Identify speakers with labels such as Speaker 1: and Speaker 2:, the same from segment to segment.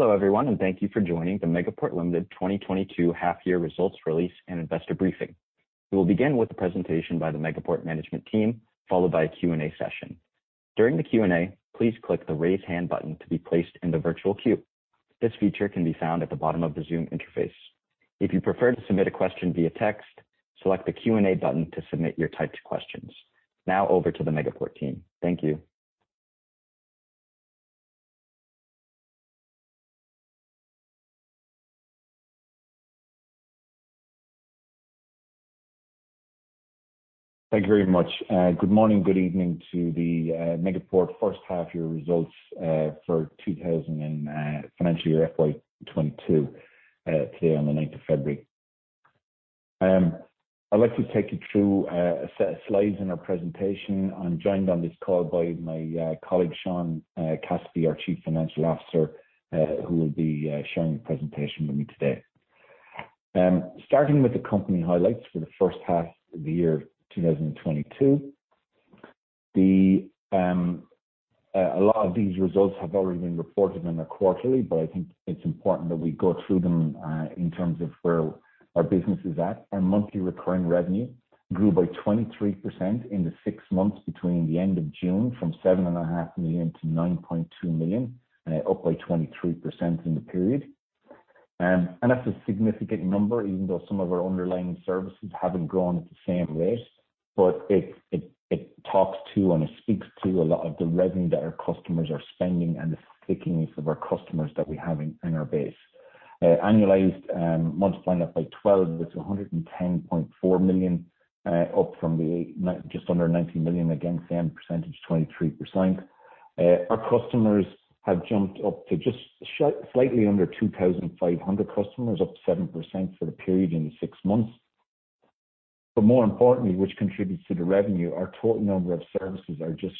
Speaker 1: Hello, everyone, and thank you for joining the Megaport Limited 2022 half-year results release and investor briefing. We will begin with the presentation by the Megaport management team, followed by a Q&A session. During the Q&A, please click the Raise Hand button to be placed in the virtual queue. This feature can be found at the bottom of the Zoom interface. If you prefer to submit a question via text, select the Q&A button to submit your typed questions. Now over to the Megaport team. Thank you.
Speaker 2: Thank you very much. Good morning, good evening to the Megaport first half-year results for 2022 financial year FY 2022 today on the ninth of February. I'd like to take you through a set of slides in our presentation. I'm joined on this call by my colleague, Sean Cassidy, our Chief Financial Officer, who will be sharing the presentation with me today. Starting with the company highlights for the first half of the year 2022. A lot of these results have already been reported in the quarterly, but I think it's important that we go through them in terms of where our business is at. Our monthly recurring revenue grew by 23% in the six months between the end of June from 7.5 million to 9.2 million, up by 23% in the period. That's a significant number, even though some of our underlying services haven't grown at the same rate, but it talks to and it speaks to a lot of the revenue that our customers are spending and the stickiness of our customers that we have in our base. Annualized, multiplying that by 12, that's 110.4 million, up from just under 90 million, again, same percentage, 23%. Our customers have jumped up to just slightly under 2,500 customers, up 7% for the period in the six months. More importantly, which contributes to the revenue, our total number of services are just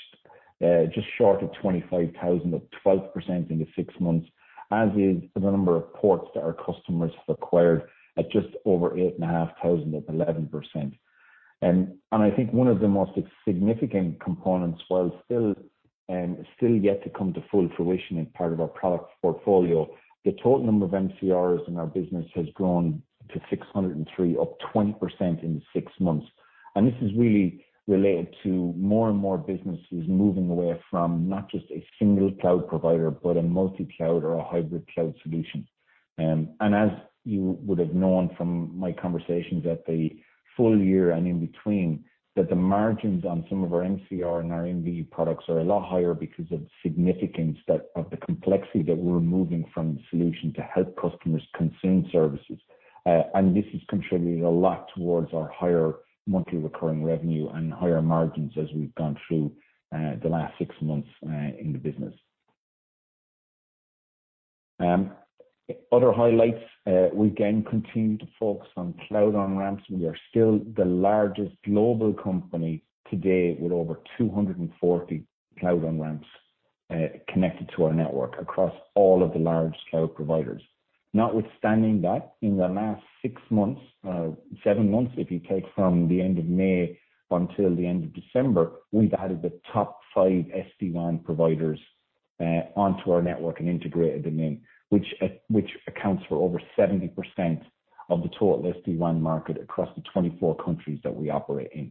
Speaker 2: short of 25,000, up 12% in the six months, as is the number of ports that our customers have acquired at just over 8,500, up 11%. I think one of the most significant components, while still yet to come to full fruition in part of our product portfolio, the total number of MCRs in our business has grown to 603, up 20% in the six months. This is really related to more and more businesses moving away from not just a single cloud provider, but a multi-cloud or a hybrid cloud solution. As you would have known from my conversations at the full-year and in between, that the margins on some of our MCR and our MVE products are a lot higher because of the significance of the complexity that we're removing from the solution to help customers consume services. This is contributing a lot towards our higher monthly recurring revenue and higher margins as we've gone through the last six months in the business. Other highlights. We again continue to focus on cloud on-ramps. We are still the largest global company today with over 240 cloud on-ramps connected to our network across all of the large cloud providers. Notwithstanding that, in the last 6 months, 7 months, if you take from the end of May until the end of December, we've added the top five SD-WAN providers onto our network and integrated them in, which accounts for over 70% of the total SD-WAN market across the 24 countries that we operate in.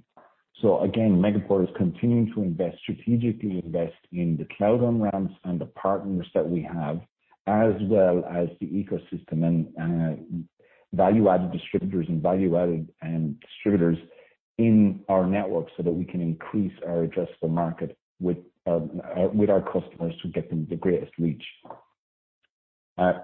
Speaker 2: Again, Megaport is continuing to invest, strategically invest in the cloud on-ramps and the partners that we have, as well as the ecosystem and value-added distributors in our network so that we can increase our addressable market with our customers to get them the greatest reach.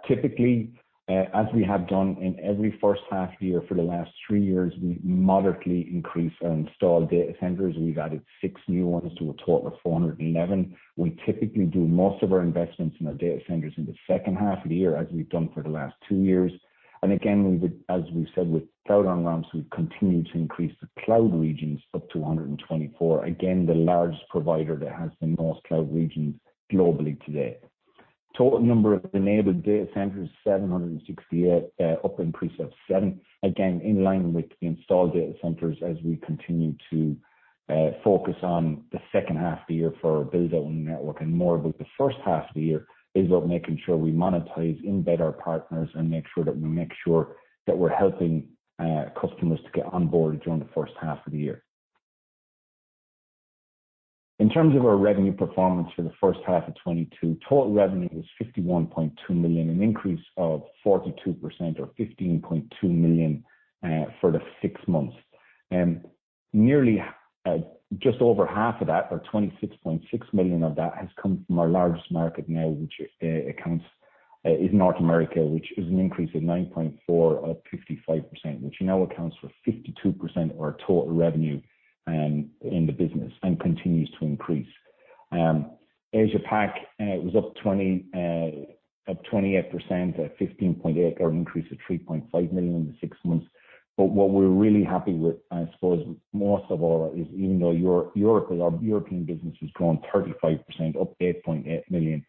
Speaker 2: Typically, as we have done in every first half-year for the last 3 years, we moderately increase our installed data centers. We've added 6 new ones to a total of 411. We typically do most of our investments in our data centers in the second half of the year, as we've done for the last two years. Again, we would, as we've said with cloud on-ramps, we've continued to increase the cloud regions up to 124. Again, the largest provider that has the most cloud regions globally today. Total number of enabled data centers, 768, up an increase of 7. Again, in line with the installed data centers as we continue to focus on the second half of the year for building our network. More about the first half of the year is about making sure we monetize, embed our partners, and make sure that we're helping customers to get on board during the first half of the year. In terms of our revenue performance for the first half of 2022, total revenue was 51.2 million, an increase of 42% or 15.2 million for the six months. Nearly, just over half of that, or 26.6 million of that, has come from our largest market now, which is North America, which is an increase of 9.4 million or 55%, which now accounts for 52% of our total revenue in the business and continues to increase. Asia Pac was up 28% at 15.8, or an increase of 3.5 million in the six months. What we're really happy with, I suppose most of all, is even though Europe, our European business has grown 35%, up 8.8 million,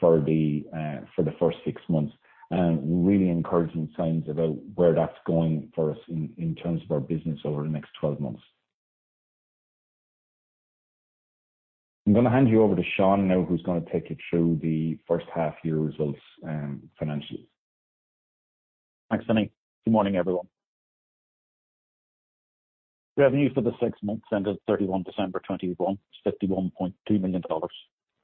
Speaker 2: for the first six months. Really encouraging signs about where that's going for us in terms of our business over the next 12 months. I'm gonna hand you over to Sean now who's gonna take you through the first half-year results financially.
Speaker 3: Thanks, Vinny. Good morning, everyone. Revenue for the six months ended 31 December 2021 is AUD 51.2 million,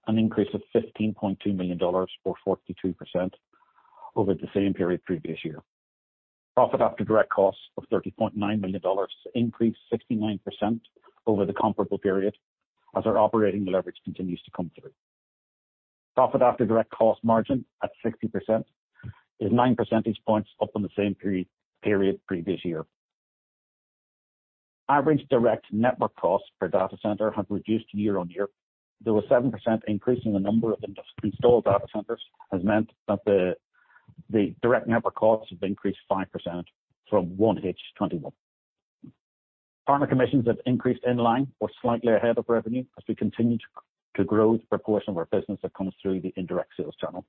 Speaker 3: an increase of AUD 15.2 million or 42% over the same period previous year. Profit after direct costs of 30.9 million dollars increased 69% over the comparable period as our operating leverage continues to come through. Profit after direct cost margin at 60% is nine percentage points up on the same period previous year. Average direct network cost per data center have reduced year-on-year. There was 7% increase in the number of industry-installed data centers has meant that the direct network costs have increased 5% from 1H 2021. Partner commissions have increased in line or slightly ahead of revenue as we continue to grow the proportion of our business that comes through the indirect sales channel.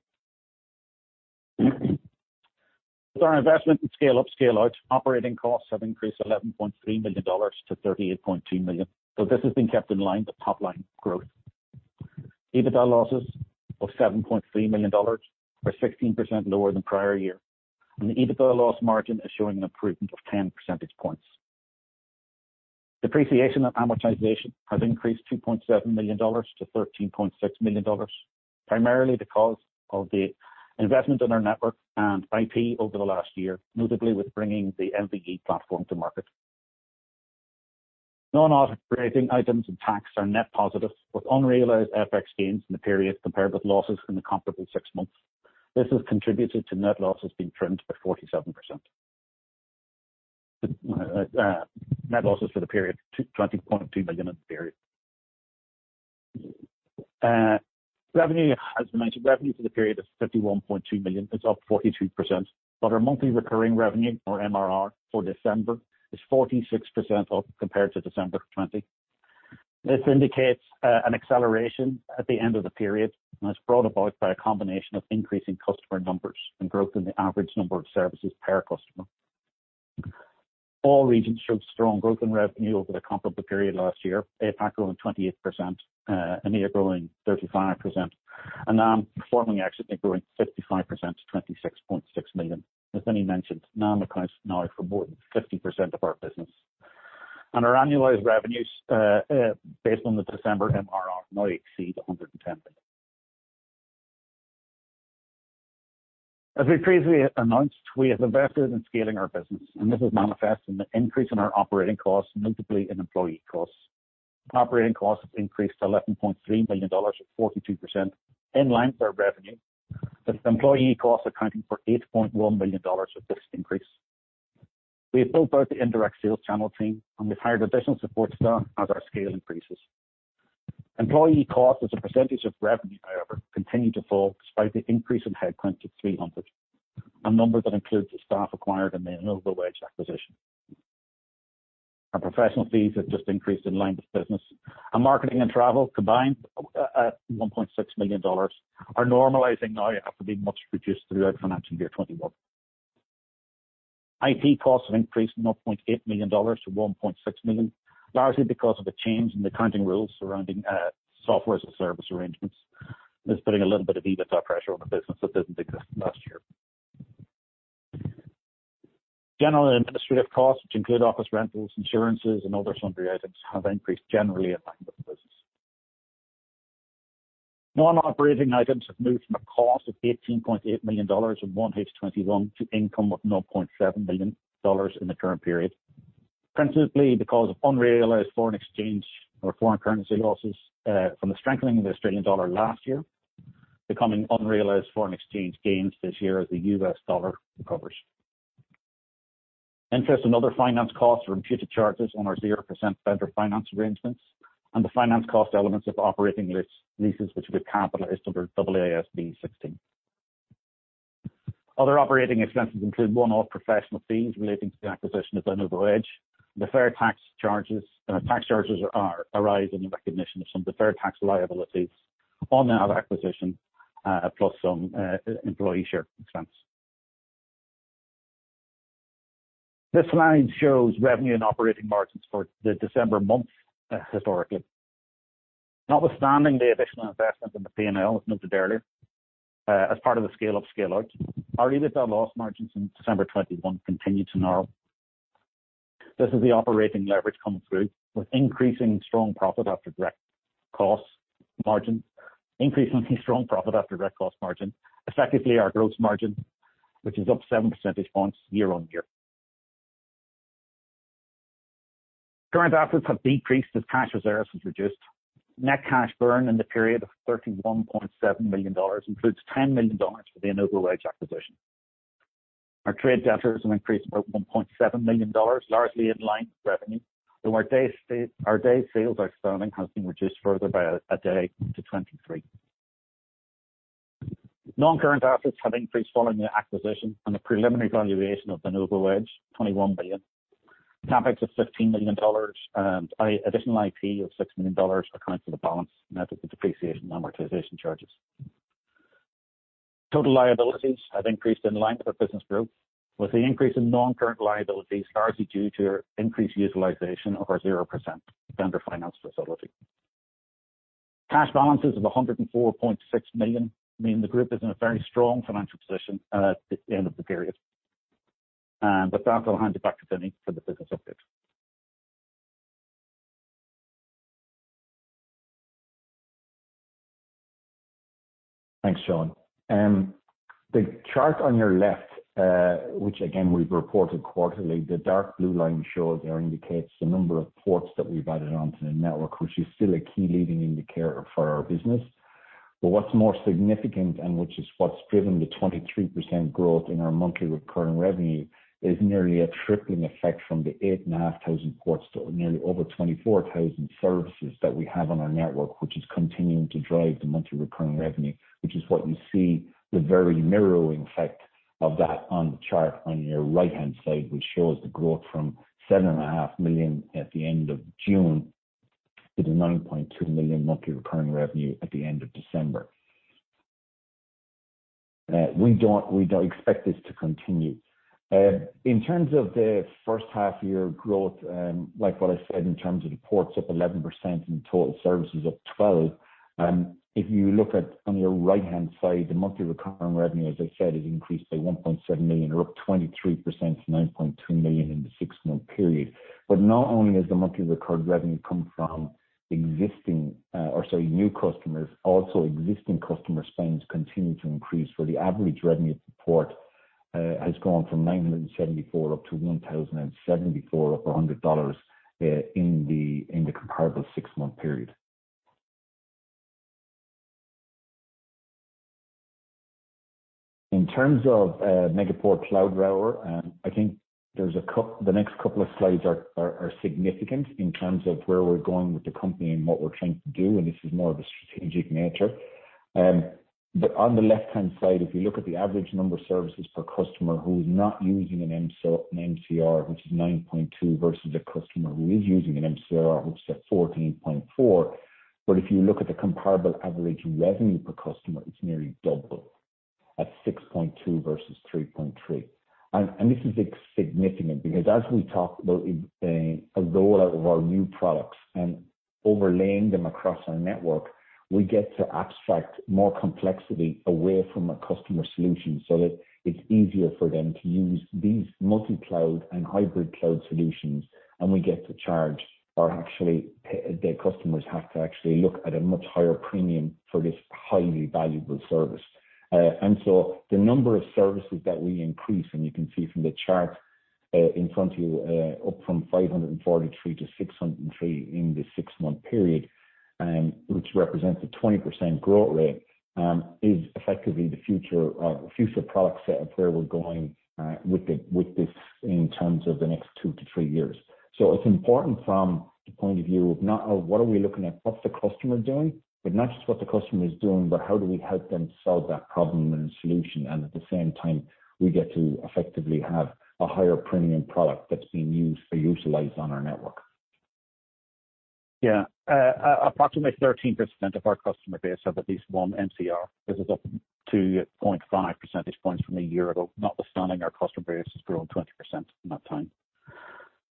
Speaker 3: With our investment in scale up, scale out, operating costs have increased 11.3 million dollars to 38.2 million. This has been kept in line with top-line growth. EBITDA losses of 7.3 million dollars are 16% lower than prior year, and the EBITDA loss margin is showing an improvement of 10 percentage points. Depreciation and amortization have increased 2.7 million dollars to 13.6 million dollars, primarily because of the investment in our network and IP over the last year, notably with bringing the MVE platform to market. Non-operating items and tax are net positive, with unrealized FX gains in the period compared with losses in the comparable six months. This has contributed to net losses being trimmed by 47%. Net losses for the period, 20.2 million in the period. Revenue, as mentioned, revenue for the period is 51.2 million. It's up 43%. Our monthly recurring revenue or MRR for December is 46% up compared to December 2020. This indicates an acceleration at the end of the period, and it's brought about by a combination of increasing customer numbers and growth in the average number of services per customer. All regions showed strong growth in revenue over the comparable period last year. APAC growing 28%, EMEA growing 35%, and NAM performing excellently, growing 55% to 26.6 million. As Vinnie mentioned, NAM accounts now for more than 50% of our business. Our annualized revenues, based on the December MRR now exceed 110 million. As we previously announced, we have invested in scaling our business, and this is manifest in the increase in our operating costs, notably in employee costs. Operating costs increased to 11.3 million dollars or 42% in line with our revenue, with employee costs accounting for 8.1 million dollars of this increase. We have built out the indirect sales channel team, and we've hired additional support staff as our scale increases. Employee costs as a percentage of revenue, however, continue to fall despite the increase in headcount to 300, a number that includes the staff acquired in the InnovoEdge acquisition. Our professional fees have just increased in line with business, and marketing and travel combined at 1.6 million dollars are normalizing now after being much reduced throughout financial year 2021. IT costs have increased from 0.8 million dollars to 1.6 million, largely because of a change in the accounting rules surrounding software as a service arrangements. That's putting a little bit of EBITDA pressure on the business that didn't exist last year. General and administrative costs, which include office rentals, insurances, and other sundry items, have increased generally in line with business. Non-operating items have moved from a cost of 18.8 million dollars in 1H 2021 to income of 0.7 million dollars in the current period, principally because of unrealized foreign exchange or foreign currency losses from the strengthening of the Australian dollar last year, becoming unrealized foreign exchange gains this year as the US dollar recovers. Interest and other finance costs are imputed charges on our 0% vendor finance arrangements and the finance cost elements of operating leases which we've capitalized under AASB 16. Other operating expenses include one-off professional fees relating to the acquisition of InnovoEdge, deferred tax charges. Tax charges arise in the recognition of some deferred tax liabilities on that acquisition, plus some employee share expense. This slide shows revenue and operating margins for the December month, historically. Notwithstanding the additional investment in the P&L as noted earlier, as part of the scale up, scale out, our EBITDA loss margins in December 2021 continue to narrow. This is the operating leverage coming through with increasingly strong profit after direct cost margin, effectively our gross margin, which is up 7 percentage points year-on-year. Current assets have decreased as cash reserves have reduced. Net cash burn in the period of 31.7 million dollars includes 10 million dollars for the InnovoEdge acquisition. Our trade debtors have increased about 1.7 million dollars, largely in line with revenue, though our days sales outstanding has been reduced further by a day to 23. Non-current assets have increased following the acquisition and the preliminary valuation of InnovoEdge, 21 billion. CapEx of 15 million dollars and additional IP of 6 million dollars account for the balance net of the depreciation and amortization charges. Total liabilities have increased in line with our business growth, with the increase in non-current liabilities largely due to increased utilization of our zero percent vendor finance facility. Cash balances of 104.6 million mean the group is in a very strong financial position at the end of the period. With that, I'll hand it back to VInny for the business update.
Speaker 2: Thanks, Sean. The chart on your left, which again we've reported quarterly, the dark blue line shows or indicates the number of ports that we've added onto the network, which is still a key leading indicator for our business. What's more significant, and which is what's driven the 23% growth in our monthly recurring revenue, is nearly a tripling effect from the 8,500 ports to nearly over 24,000 services that we have on our network. Which is continuing to drive the monthly recurring revenue, which is what you see the very mirroring effect of that on the chart on your right-hand side, which shows the growth from 7.5 million at the end of June to the 9.2 million monthly recurring revenue at the end of December. We don't expect this to continue. In terms of the first half-year growth, like what I said in terms of the ports up 11% and total services up 12%. If you look at on your right-hand side, the monthly recurring revenue, as I said, has increased by 1.7 million or up 23% to 9.2 million in the six-month period. Not only has the monthly recurring revenue come from new customers, also existing customer spends continue to increase. Where the average revenue per port has gone from 974 up to 1,074, up 100 dollars in the comparable six-month period. In terms of Megaport Cloud Router, I think the next couple of slides are significant in terms of where we're going with the company and what we're trying to do, and this is more of a strategic nature. On the left-hand side, if you look at the average number of services per customer who's not using an MCR, which is 9.2 versus a customer who is using an MCR, which is at 14.4. If you look at the comparable average revenue per customer, it's nearly double at 6.2 versus 3.3. This is significant because as we talk about a rollout of our new products and overlaying them across our network, we get to abstract more complexity away from a customer solution, so that it's easier for them to use these multi-cloud and hybrid cloud solutions. We get to charge or actually their customers have to actually pay a much higher-premium for this highly valuable service. The number of services that we increase, and you can see from the chart in front of you, up from 543 to 603 in the six-month period, which represents a 20% growth rate, is effectively the future product set of where we're going with this in terms of the next two to three years. It's important from the point of view of not only what are we looking at, what's the customer doing? not just what the customer is doing, but how do we help them solve that problem and solution. At the same time, we get to effectively have a higher-premium product that's being used or utilized on our network.
Speaker 3: Yeah. Approximately 13% of our customer base have at least one MCR. This is up 0.5 percentage points from a year ago, notwithstanding our customer base has grown 20% in that time.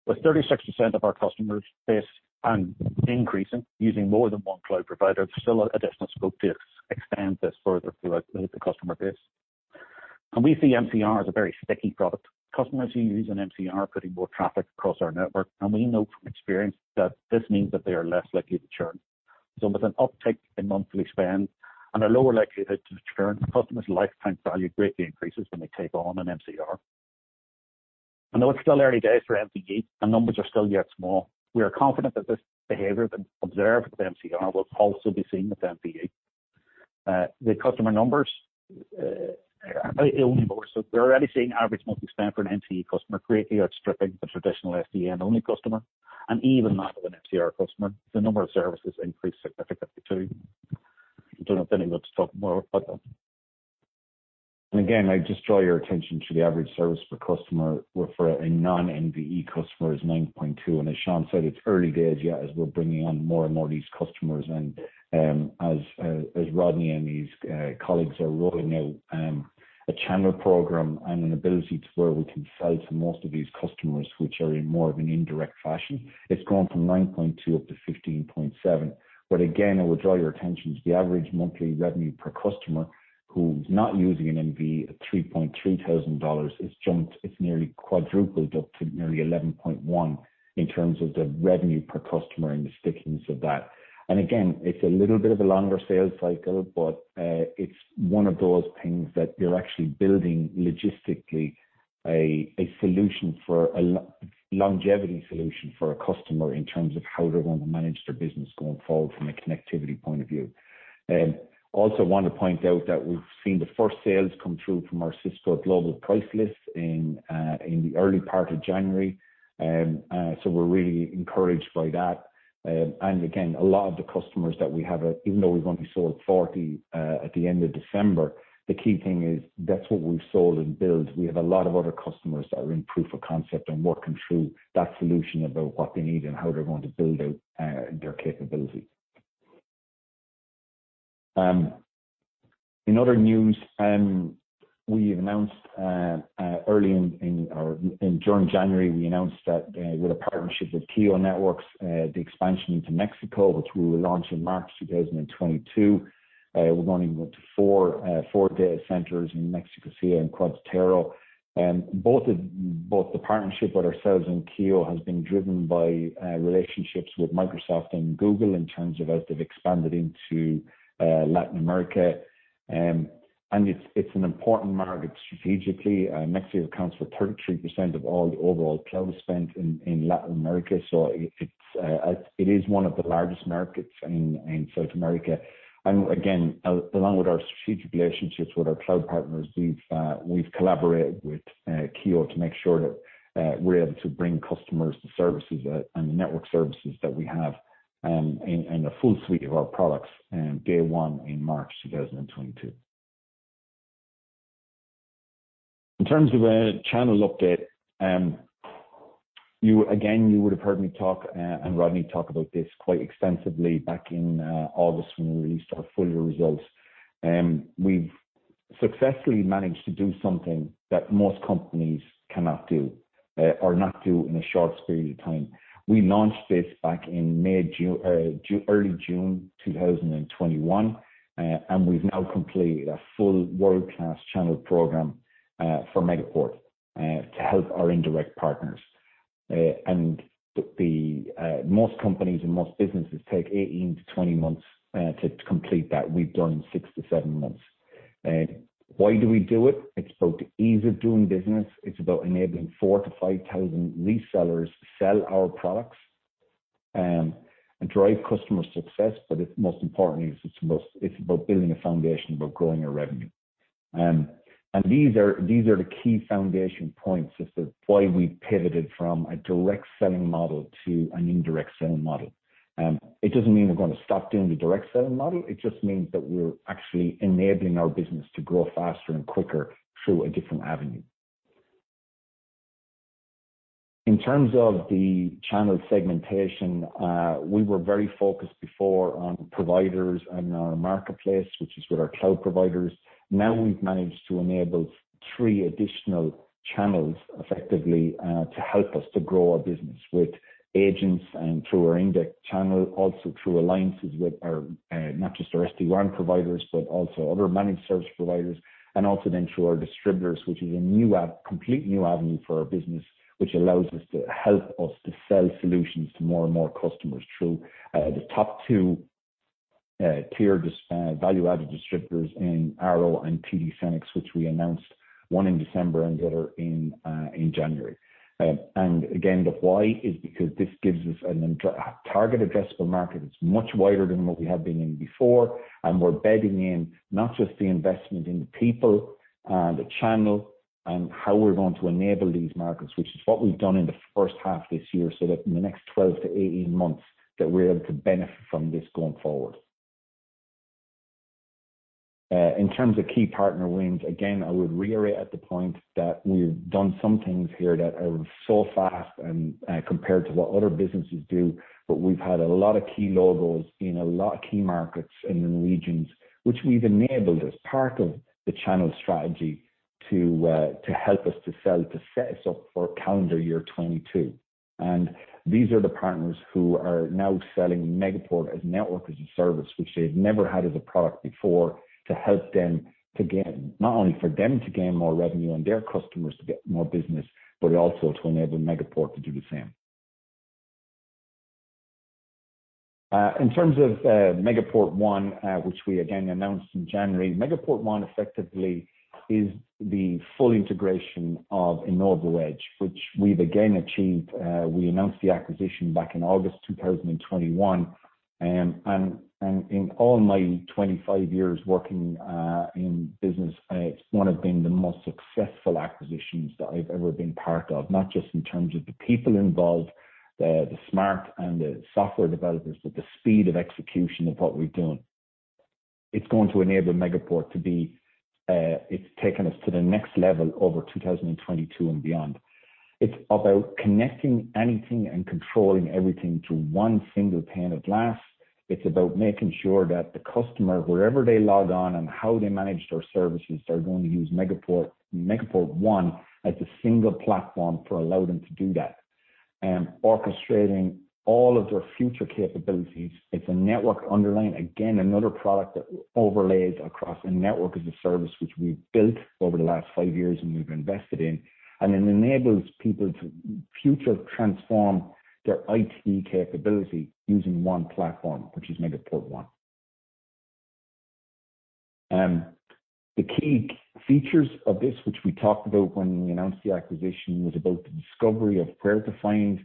Speaker 3: With 36% of our customer base and increasing using more than one cloud provider, there's still additional scope to extend this further throughout the customer base. We see MCR as a very sticky product. Customers who use an MCR are putting more traffic across our network, and we know from experience that this means that they are less likely to churn. With an uptick in monthly spend and a lower likelihood to churn, the customer's lifetime value greatly increases when they take on an MCR. I know it's still early days for MVE and numbers are still yet small. We are confident that this behavior that's observed with MCR will also be seen with MVE. The customer numbers are only more so. We're already seeing average monthly spend for an MVE customer greatly outstripping the traditional SD-WAN only customer and even that of an MCR customer. The number of services increased significantly, too. I don't know if Benny wants to talk more about that.
Speaker 2: I just draw your attention again to the average service per customer where for a non-MVE customer is 9.2. As Sean said, it's early days yet as we're bringing on more and more of these customers. As Rodney and his colleagues are rolling out a channel program and an ability to where we can sell to most of these customers, which are in more of an indirect fashion, it's gone from 9.2 up to 15.7. Again, I would draw your attention to the average monthly revenue per customer who's not using an MVE at 3,300 dollars. It's jumped. It's nearly quadrupled, up to nearly 11,100 in terms of the revenue per customer and the stickiness of that. Again, it's a little bit of a longer sales cycle, but it's one of those things that you're actually building logistically a solution for a longevity solution for a customer in terms of how they're going to manage their business going forward from a connectivity point of view. Also want to point out that we've seen the first sales come through from our Cisco Global Price List in the early part of January. So we're really encouraged by that. Again, a lot of the customers that we have, even though we've only sold 40 at the end of December, the key thing is that's what we've sold and built. We have a lot of other customers that are in proof of concept and working through that solution about what they need and how they're going to build out their capability. In other news, we announced early in or during January that with a partnership with KIO Networks, the expansion into Mexico, which we will launch in March 2022. We're going with four data centers in Mexico City and Querétaro. The partnership with ourselves and Kio has been driven by relationships with Microsoft and Google in terms of as they've expanded into Latin America. It's an important market strategically. Mexico accounts for 33% of all the overall cloud spend in Latin America. It is one of the largest markets in South America. Again, along with our strategic relationships with our cloud partners, we've collaborated with Kio to make sure that we're able to bring customers the services and the network services that we have, and a full suite of our products in day one in March 2022. In terms of a channel update, again, you would have heard me talk and Rodney talk about this quite extensively back in August when we released our full-year results. We've successfully managed to do something that most companies cannot do or not do in a short period of time. We launched this back in early June 2021, and we've now completed a full world-class channel program for Megaport to help our indirect partners. Most companies and most businesses take 18-20 months to complete that. We've done 6-7 months. Why do we do it? It's about the ease of doing business. It's about enabling 4-5 thousand lease sellers to sell our products, and drive customer success. It's most importantly, it's about building a foundation, about growing our revenue. These are the key foundation points as to why we pivoted from a direct selling model to an indirect selling model. It doesn't mean we're gonna stop doing the direct selling model. It just means that we're actually enabling our business to grow faster and quicker through a different avenue. In terms of the channel segmentation, we were very focused before on providers and our marketplace, which is with our cloud providers. Now, we've managed to enable three additional channels effectively to help us to grow our business with agents and through our indirect channel. Through alliances with our not just our SD-WAN providers, but also other managed service providers. Through our distributors, which is a completely new avenue for our business, which allows us to help us to sell solutions to more and more customers through the top two tier value-added distributors in Arrow and TD SYNNEX, which we announced one in December and the other in January. The why is because this gives us a target addressable market that's much wider than what we have been in before. We're bedding in not just the investment in the people and the channel and how we're going to enable these markets, which is what we've done in the first half this year, so that in the next 12-18 months, that we're able to benefit from this going forward. In terms of key partner wins, again, I would reiterate the point that we've done some things here that are so fast and, compared to what other businesses do. We've had a lot of key logos in a lot of key markets and in regions which we've enabled as part of the channel strategy to help us to sell, to set us up for calendar year 2022. These are the partners who are now selling Megaport as Network as a Service, which they've never had as a product before, to help them to gain. Not only for them to gain more revenue and their customers to get more business, but also to enable Megaport to do the same. In terms of Megaport One, which we again announced in January. Megaport One effectively is the full integration of InnovoEdge, which we've again achieved. We announced the acquisition back in August 2021. And in all my 25 years working in business, it's one of the most successful acquisitions that I've ever been part of, not just in terms of the people involved, the smart and the software developers, but the speed of execution of what we've done. It's going to enable Megaport to be. It's taken us to the next level over 2022 and beyond. It's about connecting anything and controlling everything to one single pane of glass. It's about making sure that the customer, wherever they log on and how they manage their services, they're going to use Megaport One as a single platform to allow them to do that. Orchestrating all of their future capabilities. It's a network underlying. Again, another product that overlays across a Network as a Service, which we've built over the last five years and we've invested in. It enables people to future transform their IT capability using one platform, which is Megaport One. The key features of this, which we talked about when we announced the acquisition, was about the discovery of where to find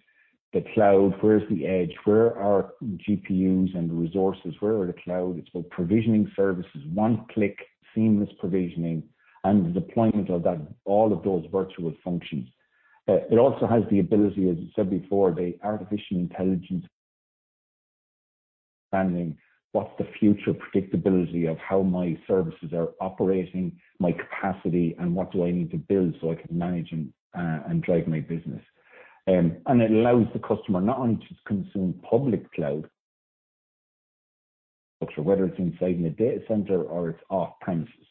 Speaker 2: the cloud. Where's the edge? Where are GPUs and the resources? Where are the clouds? It's about provisioning services, one click, seamless provisioning, and the deployment of that, all of those virtual functions. It also has the ability, as I said before, the artificial intelligence planning. What's the future predictability of how my services are operating, my capacity, and what do I need to build so I can manage and drive my business? It allows the customer not only to consume public cloud structure, whether it's inside in a data center or it's off premises.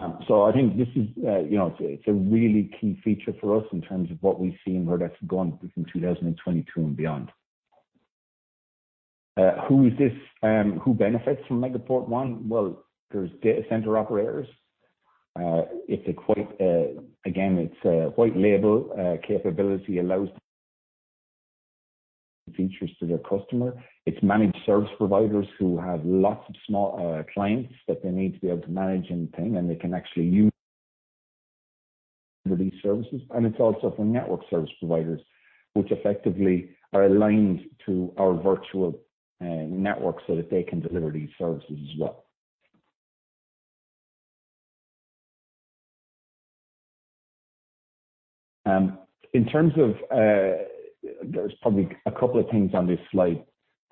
Speaker 2: I think this is, you know, it's a really key feature for us in terms of what we see and where that's going between 2022 and beyond. Who benefits from Megaport One? Well, there's data center operators. It's quite, again, it's a white label capability allows features to their customer. It's managed service providers who have lots of small clients that they need to be able to manage and things, and they can actually use these services. It's also for network service providers, which effectively are aligned to our virtual network so that they can deliver these services as well. In terms of, there's probably a couple of things on this slide.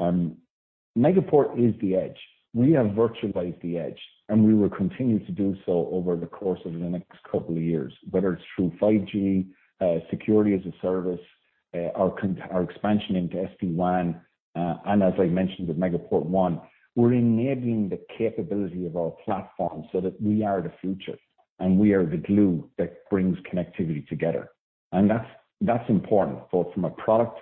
Speaker 2: Megaport is the edge. We have virtualized the edge, and we will continue to do so over the course of the next couple of years, whether it's through 5G, security as a service, our expansion into SD-WAN, and as I mentioned, with Megaport One, we're enabling the capability of our platform so that we are the future and we are the glue that brings connectivity together. That's important, both from a product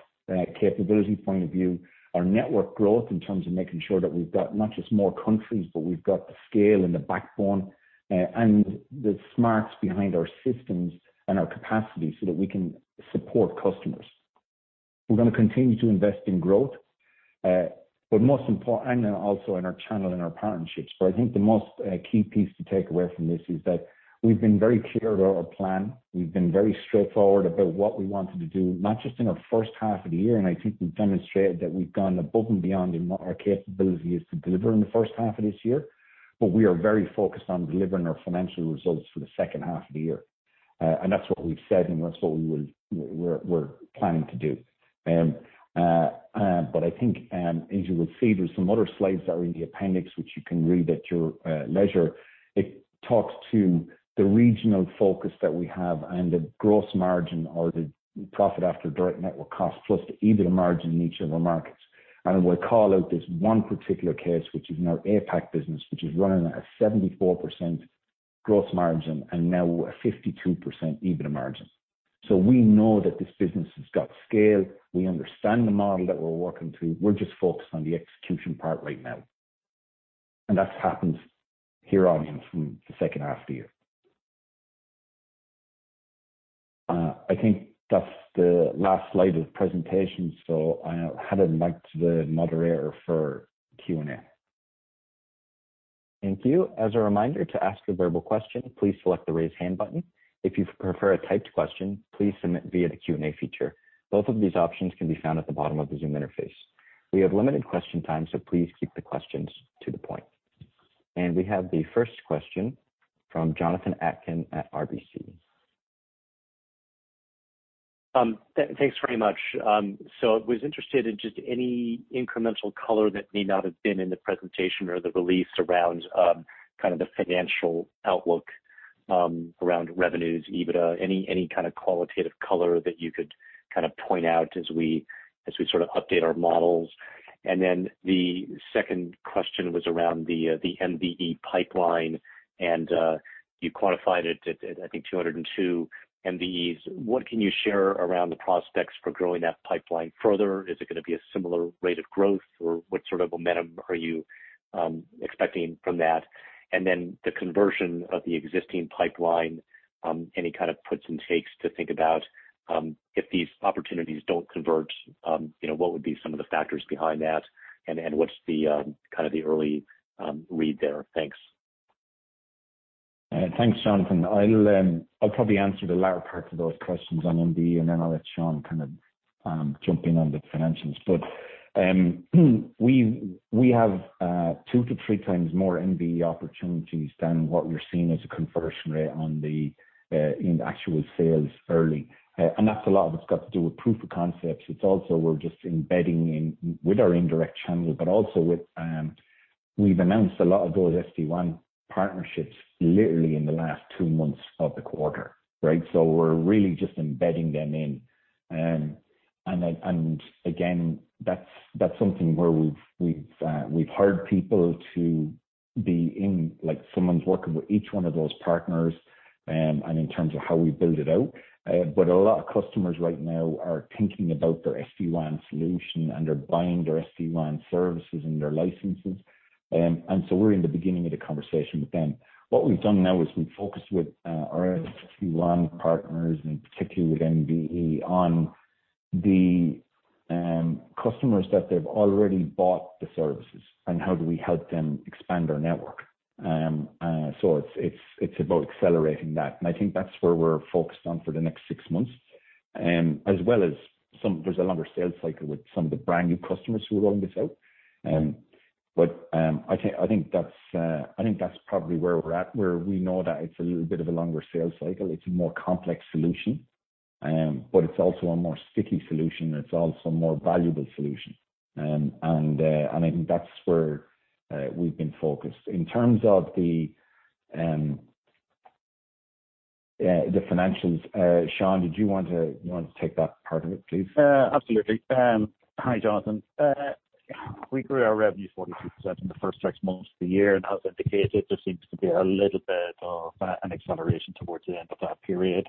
Speaker 2: capability point of view, our network growth in terms of making sure that we've got not just more countries, but we've got the scale and the backbone and the smarts behind our systems and our capacity so that we can support customers. We're gonna continue to invest in growth, but most important and also in our channel and our partnerships. I think the most key piece to take away from this is that we've been very clear about our plan. We've been very straightforward about what we wanted to do, not just in our first half of the year, and I think we've demonstrated that we've gone above and beyond in what our capability is to deliver in the first half of this year. We are very focused on delivering our financial results for the second half of the year. That's what we've said, and that's what we're planning to do. I think as you will see, there's some other slides that are in the appendix, which you can read at your leisure. It talks to the regional focus that we have and the gross margin or the profit after direct network cost plus the EBITDA margin in each of our markets. I would call out this one particular case, which is in our APAC business, which is running at a 74% gross margin and now a 52% EBITDA margin. We know that this business has got scale. We understand the model that we're working to. We're just focused on the execution part right now, and that's happened from here on in for the second half of the year. I think that's the last slide of the presentation, so I'll hand it back to the moderator for Q&A.
Speaker 1: Thank you. As a reminder to ask a verbal question, please select the Raise Hand button. If you prefer a typed question, please submit via the Q&A feature. Both of these options can be found at the bottom of the Zoom interface. We have limited question time, so please keep the questions to the point. We have the first question from Jonathan Atkin at RBC.
Speaker 4: Thanks very much. I was interested in just any incremental color that may not have been in the presentation or the release around kind of the financial outlook around revenues, EBITDA, any kind of qualitative color that you could kind of point out as we sort of update our models. The second question was around the MVE pipeline, and you quantified it at, I think, 202 MVEs. What can you share around the prospects for growing that pipeline further? Is it gonna be a similar rate of growth or what sort of momentum are you expecting from that? Then the conversion of the existing pipeline, any kind of puts and takes to think about, if these opportunities don't convert, you know, what would be some of the factors behind that and what's the kind of the early read there? Thanks.
Speaker 2: Thanks, Jonathan. I'll probably answer the latter part to those questions on MVE, and then I'll let Sean kind of jump in on the financials. We have 2-3 times more MVE opportunities than what we're seeing as a conversion rate in the actual sales early. That's a lot of it's got to do with proof of concepts. It's also we're just embedding in with our indirect channel, but also with we've announced a lot of those SD-WAN partnerships literally in the last 2 months of the quarter, right? We're really just embedding them in. Again, that's something where we've hired people to be in, like someone's working with each one of those partners, and in terms of how we build it out. A lot of customers right now are thinking about their SD-WAN solution, and they're buying their SD-WAN services and their licenses. We're in the beginning of the conversation with them. What we've done now is we've focused with our SD-WAN partners, and particularly with MVE, on the customers that they've already bought the services and how do we help them expand their network. It's about accelerating that. I think that's where we're focused on for the next six months. As well as some, there's a longer sales cycle with some of the brand new customers who are rolling this out. I think that's probably where we're at, where we know that it's a little bit of a longer sales cycle. It's a more complex solution, but it's also a more sticky solution. It's also a more valuable solution. And I think that's where we've been focused. In terms of the financials. Sean, did you want to take that part of it, please?
Speaker 3: Absolutely. Hi, Jonathan. We grew our revenue 42% in the first six months of the year, and as indicated, there seems to be a little bit of an acceleration towards the end of that period,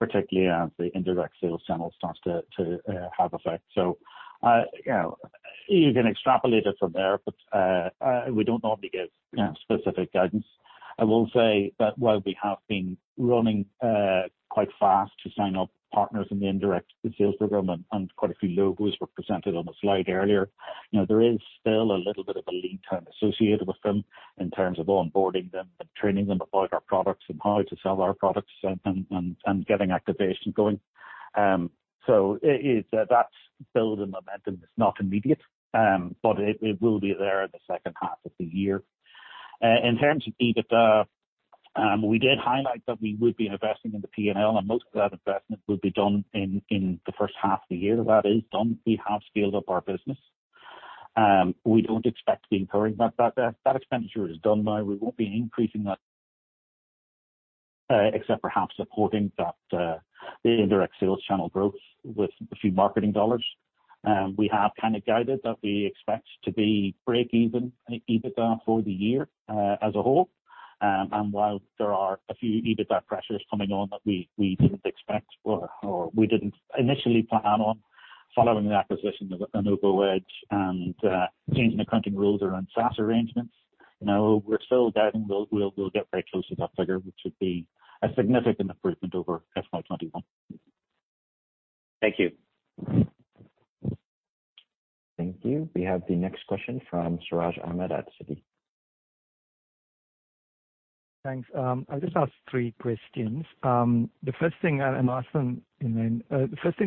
Speaker 3: particularly as the indirect sales channel starts to have effect. You know, you can extrapolate it from there, but we don't normally give specific guidance. I will say that while we have been running quite fast to sign up partners in the indirect sales program, and quite a few logos were presented on the slide earlier, you know, there is still a little bit of a lead time associated with them in terms of onboarding them and training them about our products and how to sell our products and getting activation going. It is... That's building momentum. It's not immediate, but it will be there in the second half of the year. In terms of EBITDA, we did highlight that we would be investing in the PNL, and most of that investment will be done in the first half of the year. That is done. We have scaled up our business. We don't expect to be incurring that. That expenditure is done now. We won't be increasing that, except perhaps supporting the indirect sales channel growth with a few marketing dollars. We have kind of guided that we expect to be breakeven in EBITDA for the year, as a whole. While there are a few EBITDA pressures coming on that we didn't expect or we didn't initially plan on following the acquisition of InnovoEdge and changing the accounting rules around SaaS arrangements. Now we're still guiding we'll get very close to that figure, which would be a significant improvement over FY 2021.
Speaker 4: Thank you.
Speaker 1: Thank you. We have the next question from Siraj Ahmed at Citi.
Speaker 5: Thanks. I'll just ask three questions. The first thing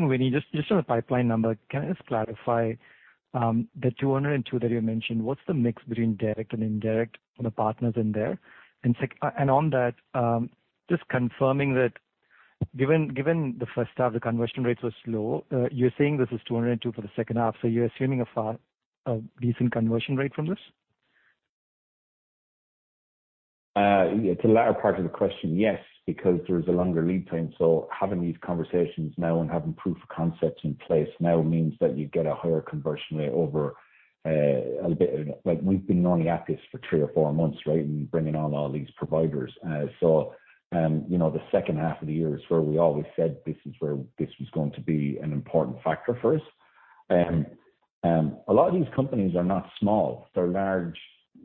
Speaker 5: we need, just on the pipeline number, can I just clarify the 202 that you mentioned? What's the mix between direct and indirect for the partners in there? And on that, just confirming that given the first half the conversion rates were slow, you're saying this is 202 for the second half, so you're assuming a decent conversion rate from this?
Speaker 2: Yeah, to the latter part of the question, yes, because there is a longer lead time. Having these conversations now and having proof of concepts in place now means that you get a higher conversion rate over a bit. Like we've been only at this for three or four months, right, in bringing on all these providers. You know, the second half of the year is where we always said this is where this was going to be an important factor for us. A lot of these companies are not small. They're large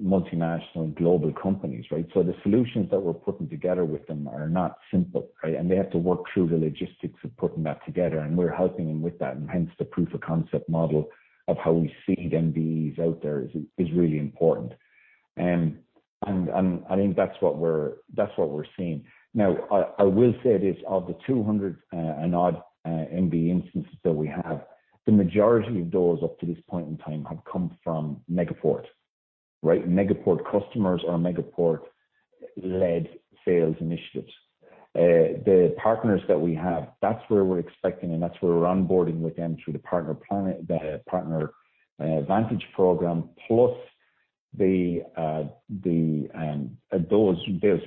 Speaker 2: multinational global companies, right? The solutions that we're putting together with them are not simple, right? They have to work through the logistics of putting that together, and we're helping them with that. Hence the proof of concept model of how we seed MVEs out there is really important. I think that's what we're seeing. Now, I will say this. Of the 200 and odd MVE instances that we have, the majority of those up to this point in time have come from Megaport, right? Megaport customers or Megaport-led sales initiatives. The partners that we have, that's where we're expecting, and that's where we're onboarding with them through the PartnerVantage program, plus those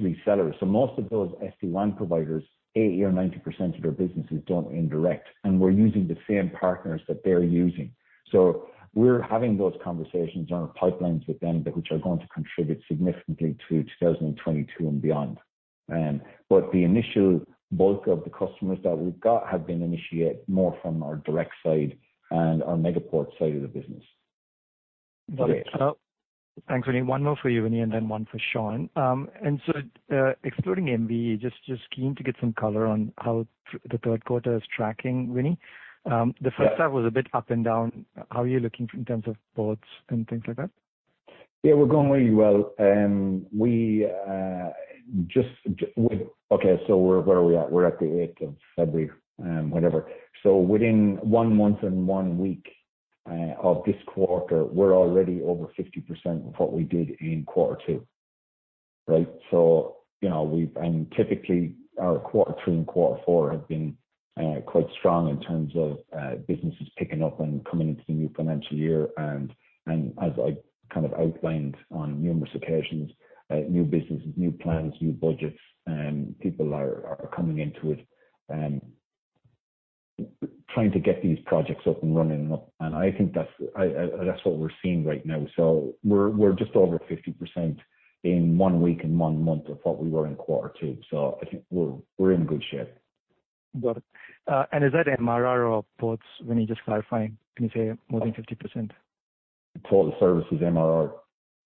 Speaker 2: resellers. Most of those SD-WAN providers, 80% or 90% of their business is done indirectly. We're using the same partners that they're using. We're having those conversations on our pipelines with them, which are going to contribute significantly to 2022 and beyond. The initial bulk of the customers that we've got have been initiated more from our direct side and our Megaport side of the business.
Speaker 5: Got it. Thanks, Vinnie. One more for you, Vinnie, and then one for Sean. Excluding MVE, just keen to get some color on how the Q3 is tracking, Vinnie. The first half was a bit up and down. How are you looking in terms of ports and things like that?
Speaker 2: Yeah, we're going really well. Okay, so where are we at? We're at the eighth of February, whatever. Within one month and one week of this quarter, we're already over 50% of what we did in Q2, right? You know, typically our Q3 and Q4 have been quite strong in terms of businesses picking up and coming into the new financial year. As I kind of outlined on numerous occasions, new businesses, new plans, new budgets, people are coming into it, trying to get these projects up and running. I think that's what we're seeing right now. We're just over 50% in one week and one month of what we were in Q2. I think we're in good shape.
Speaker 5: Got it. Is that MRR or ports, Vincent English? Just clarifying. When you say more than 50%.
Speaker 2: Total services MRR.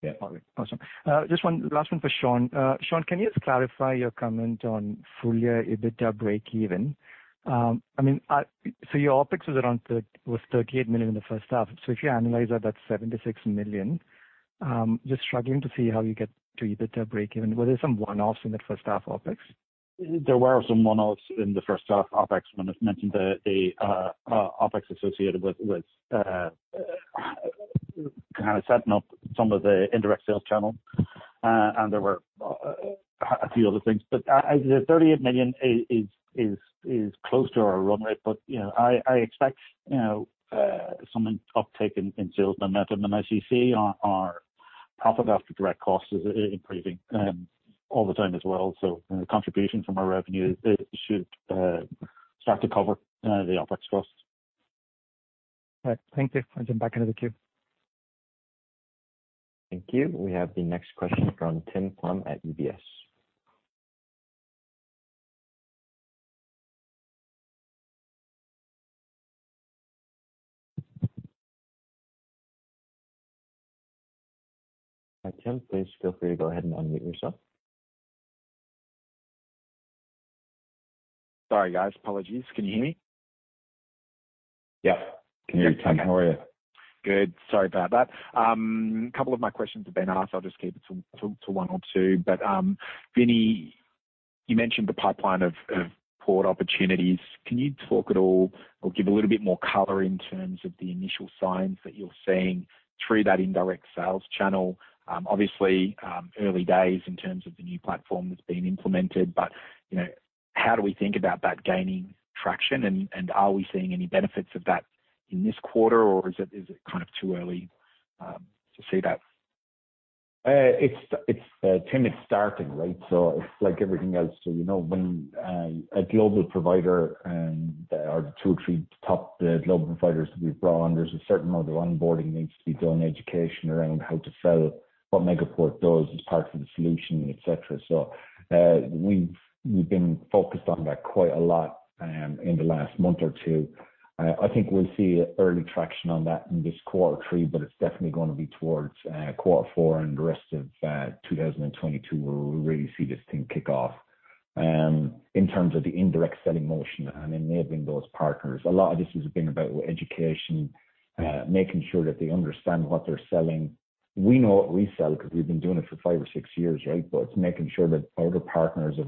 Speaker 2: Yeah.
Speaker 5: Got it. Awesome. Just one last one for Sean. Sean, can you just clarify your comment on full-year EBITDA breakeven? I mean, your OpEx was around 38 million in the first half. If you annualize that's 76 million, just struggling to see how you get to EBITDA breakeven. Was there some one-offs in that first half OpEx?
Speaker 3: There were some one-offs in the first half OpEx when I mentioned the OpEx associated with kind of setting up some of the indirect sales channel. There were a few other things. As the 38 million is close to our run rate. You know, I expect, you know, some uptick in sales momentum as you see our profit after direct costs is improving all the time as well. The contribution from our revenue it should start to cover the OpEx costs.
Speaker 1: Right. Thank you. I'll jump back into the queue. Thank you. We have the next question from Tim Plumbe at UBS. Tim, please feel free to go ahead and unmute yourself.
Speaker 6: Sorry, guys. Apologies. Can you hear me?
Speaker 1: Yeah. Can hear you, Tim. How are you?
Speaker 6: Good. Sorry about that. A couple of my questions have been asked. I'll just keep it to one or two. Vinny, you mentioned the pipeline of port opportunities. Can you talk at all or give a little bit more color in terms of the initial signs that you're seeing through that indirect sales channel? Obviously, early days in terms of the new platform that's being implemented. You know, how do we think about that gaining traction? And are we seeing any benefits of that in this quarter, or is it kind of too early to say that?
Speaker 2: Tim, it's starting, right? It's like everything else. You know, when a global provider and there are two or three top global providers that we've brought on, there's a certain amount of onboarding needs to be done, education around how to sell what Megaport does as part of the solution, et cetera. We've been focused on that quite a lot in the last month or two. I think we'll see early traction on that in this Q3, but it's definitely gonna be towards Q4 and the rest of 2022, where we really see this thing kick off. In terms of the indirect selling motion and enabling those partners, a lot of this has been about education, making sure that they understand what they're selling. We know what we sell 'cause we've been doing it for five or six years, right? It's making sure that other partners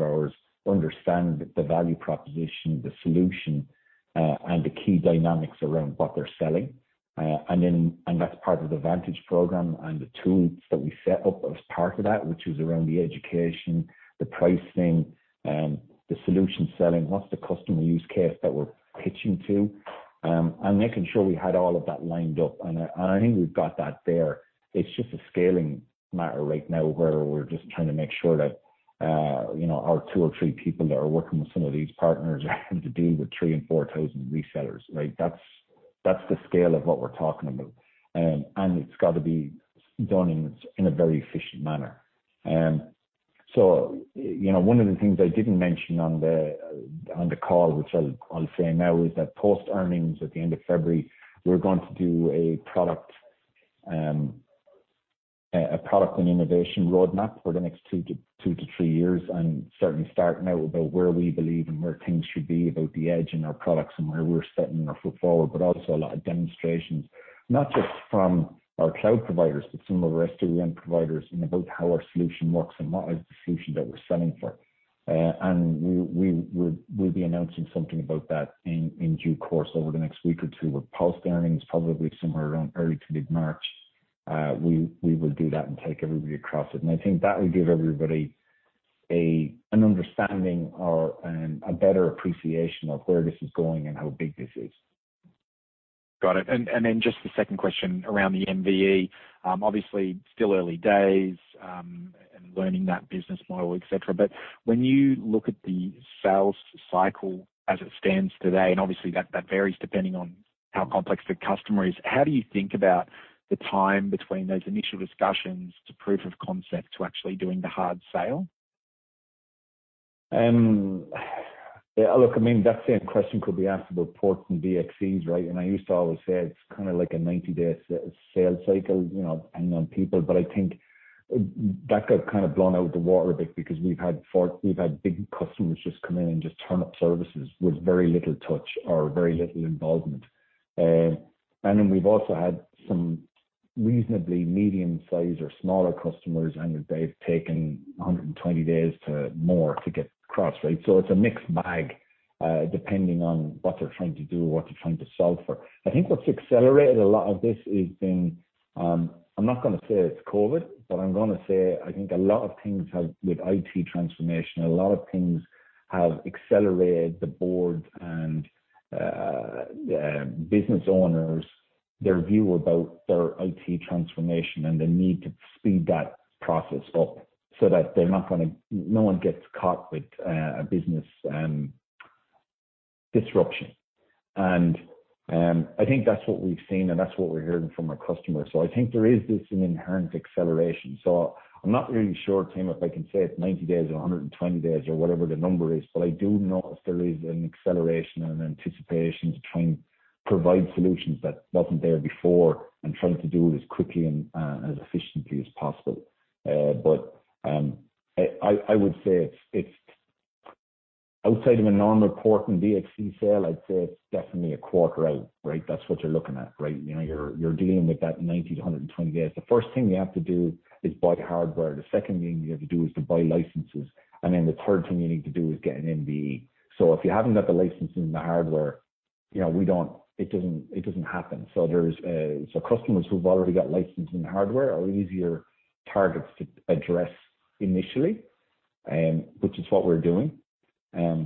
Speaker 2: of ours understand the value proposition, the solution, and the key dynamics around what they're selling. That's part of the Vantage program and the tools that we set up as part of that, which is around the education, the pricing, the solution selling. What's the customer use case that we're pitching to? Making sure we had all of that lined up. I think we've got that there. It's just a scaling matter right now where we're just trying to make sure that, you know, our two or three people that are working with some of these partners are having to deal with 3,000 and 4,000 resellers. Right? That's the scale of what we're talking about. It's got to be done in a very efficient manner. You know, one of the things I didn't mention on the call, which I'll say now is that post earnings at the end of February, we're going to do a product and innovation roadmap for the next two to three years. Certainly starting out about where we believe and where things should be about the edge in our products and where we're stepping our foot forward, but also a lot of demonstrations, not just from our cloud providers, but some of our SD-WAN providers and about how our solution works and what is the solution that we're selling for. We'll be announcing something about that in due course over the next week or two with post earnings, probably somewhere around early to mid-March. We will do that and take everybody across it. I think that will give everybody an understanding or a better appreciation of where this is going and how big this is.
Speaker 6: Got it. Then just the second question around the MVE. Obviously still early days, and learning that business model, et cetera. When you look at the sales cycle as it stands today, and obviously that varies depending on how complex the customer is, how do you think about the time between those initial discussions to proof of concept to actually doing the hard sale?
Speaker 2: That same question could be asked about ports and VXCs, right? I used to always say it's kind of like a 90-day sales cycle, you know, depending on people. I think that got kind of blown out of the water a bit because we've had big customers just come in and just turn up services with very little touch or very little involvement. Then we've also had some reasonably medium-sized or smaller customers, and they've taken 120 days or more to get across. Right? It's a mixed bag, depending on what they're trying to do or what they're trying to solve for. I think what's accelerated a lot of this has been, I'm not gonna say it's COVID, but I'm gonna say I think a lot of things have. With IT transformation, a lot of things have accelerated the board and business owners' view about their IT transformation and the need to speed that process up so that no one gets caught with a business disruption. I think that's what we've seen, and that's what we're hearing from our customers. I think there is an inherent acceleration. I'm not really sure, Tim, if I can say it's 90 days or 120 days or whatever the number is. I do notice there is an acceleration and anticipation to try and provide solutions that wasn't there before and trying to do it as quickly and as efficiently as possible. I would say it's outside of a normal port and VXC sale, I'd say it's definitely a quarter out, right? That's what you're looking at, right? You know, you're dealing with that 90-120 days. The first thing you have to do is buy hardware. The second thing you have to do is to buy licenses. And then the third thing you need to do is get an MVE. So if you haven't got the license and the hardware, you know, it doesn't happen. Customers who've already got license and hardware are easier targets to address initially, which is what we're doing.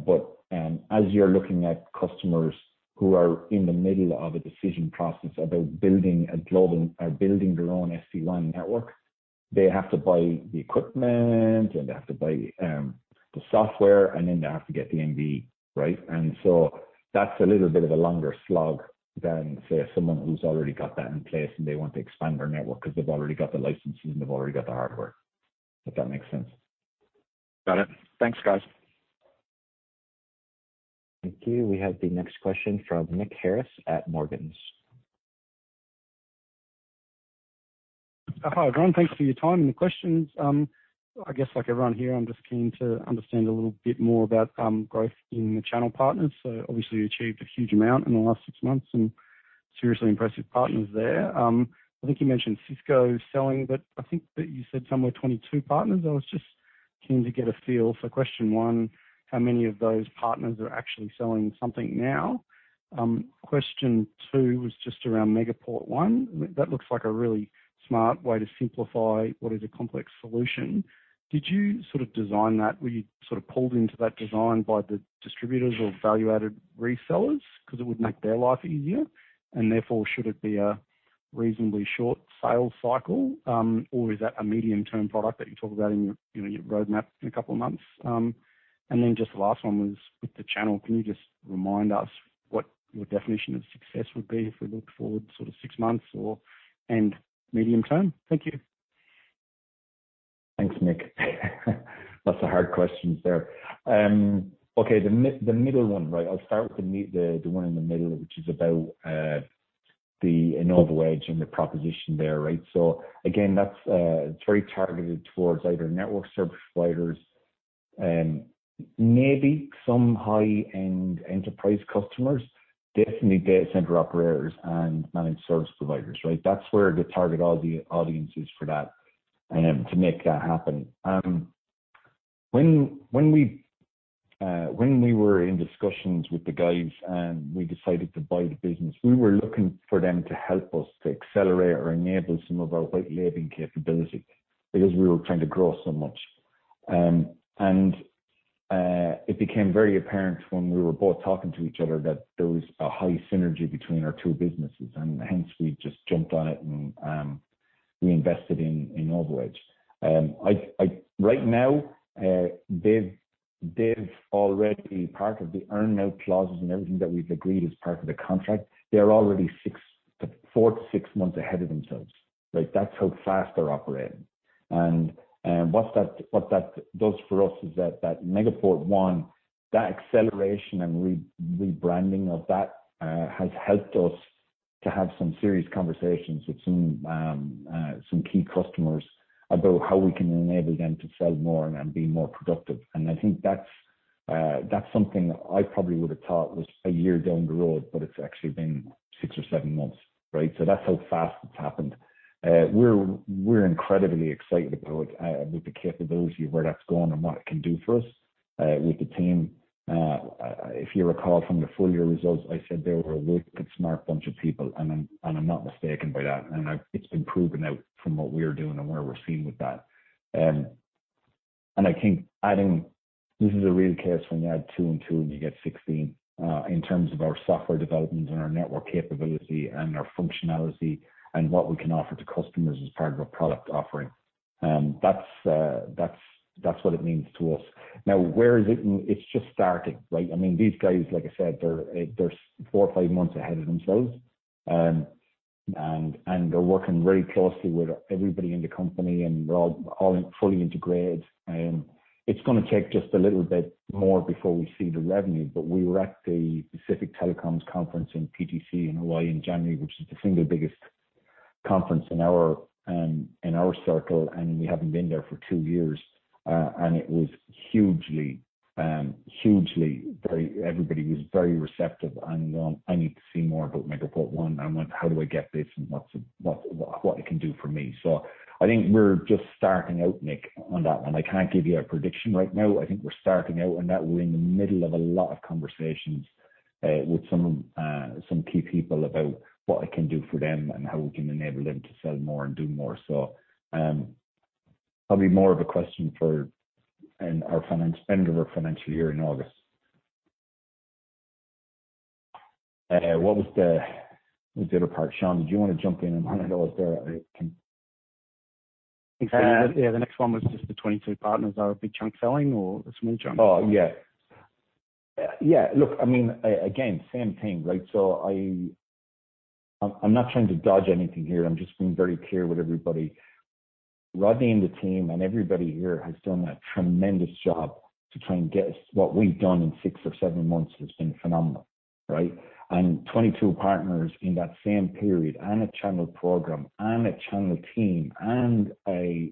Speaker 2: But as you're looking at customers who are in the middle of a decision process about building their own SD-WAN network, they have to buy the equipment, and they have to buy the software, and then they have to get the MVE, right? That's a little bit of a longer slog than, say, someone who's already got that in place, and they want to expand their network because they've already got the licenses and they've already got the hardware, if that makes sense.
Speaker 1: Got it. Thanks, guys. Thank you. We have the next question from Nick Harris at Morgans.
Speaker 7: Hi, everyone. Thanks for your time and the questions. I guess, like everyone here, I'm just keen to understand a little bit more about growth in the channel partners. Obviously you achieved a huge amount in the last six months and seriously impressive partners there. I think you mentioned Cisco selling, but I think that you said somewhere 22 partners. I was just keen to get a feel for, question one, how many of those partners are actually selling something now? Question two was just around Megaport One. That looks like a really smart way to simplify what is a complex solution. Did you sort of design that? Were you sort of pulled into that design by the distributors or value-added resellers because it would make their life easier and therefore should it be a reasonably short sales cycle, or is that a medium-term product that you talk about in your, you know, your roadmap in a couple of months? Just the last one was with the channel. Can you just remind us what your definition of success would be if we look forward sort of six months or and medium-term? Thank you.
Speaker 2: Thanks, Nick. Lots of hard questions there. Okay. The middle one, right? I'll start with the one in the middle, which is about the InnovoEdge and the proposition there, right? Again, that's very targeted towards either network service providers, maybe some high-end enterprise customers, definitely data center operators and managed service providers, right? That's where the target audiences for that to make that happen. When we were in discussions with the guys and we decided to buy the business, we were looking for them to help us to accelerate or enable some of our white labeling capability because we were trying to grow so much. It became very apparent when we were both talking to each other that there was a high synergy between our two businesses, and hence we just jumped on it and we invested in InnovoEdge. I right now, they've already part of the earn-out clauses and everything that we've agreed as part of the contract. They're already 4-6 months ahead of themselves, right? That's how fast they're operating. What that does for us is that Megaport One, that acceleration and rebranding of that has helped us to have some serious conversations with some key customers about how we can enable them to sell more and be more productive. I think that's something I probably would have thought was a year down the road, but it's actually been 6 or 7 months, right? That's how fast it's happened. We're incredibly excited about with the capability of where that's going and what it can do for us with the team. If you recall from the full-year results, I said they were a wicked smart bunch of people, and I'm not mistaken by that. It's been proven out from what we're doing and where we're seeing with that. I think this is a real case when you add 2 and 2, and you get 16 in terms of our software development and our network capability and our functionality and what we can offer to customers as part of a product offering. That's what it means to us. Now, where is it? It's just starting, right? I mean, these guys, like I said, they're four or five months ahead of themselves. They're working very closely with everybody in the company, and we're all in fully integrated. It's gonna take just a little bit more before we see the revenue. We were at the Pacific Telecommunications Conference in PTC in Hawaii in January, which is the single biggest conference in our circle, and we haven't been there for two years. It was hugely very. Everybody was very receptive and went, "I need to see more about Megaport One." Went, "How do I get this and what it can do for me?" I think we're just starting out, Nick, on that one. I can't give you a prediction right now. I think we're starting out, and that we're in the middle of a lot of conversations with some key people about what it can do for them and how we can enable them to sell more and do more. Probably more of a question for end of our financial year in August. What was the other part? Sean, did you want to jump in? I don't know if there I can.
Speaker 7: Yeah. The next one was just the 22 partners. Are a big chunk selling or a small chunk?
Speaker 2: Oh, yeah. Yeah. Look, I mean, again, same thing, right? I'm not trying to dodge anything here. I'm just being very clear with everybody. Rodney and the team and everybody here has done a tremendous job to try and get us what we've done in six or seven months has been phenomenal, right? 22 partners in that same period and a channel program and a channel team and the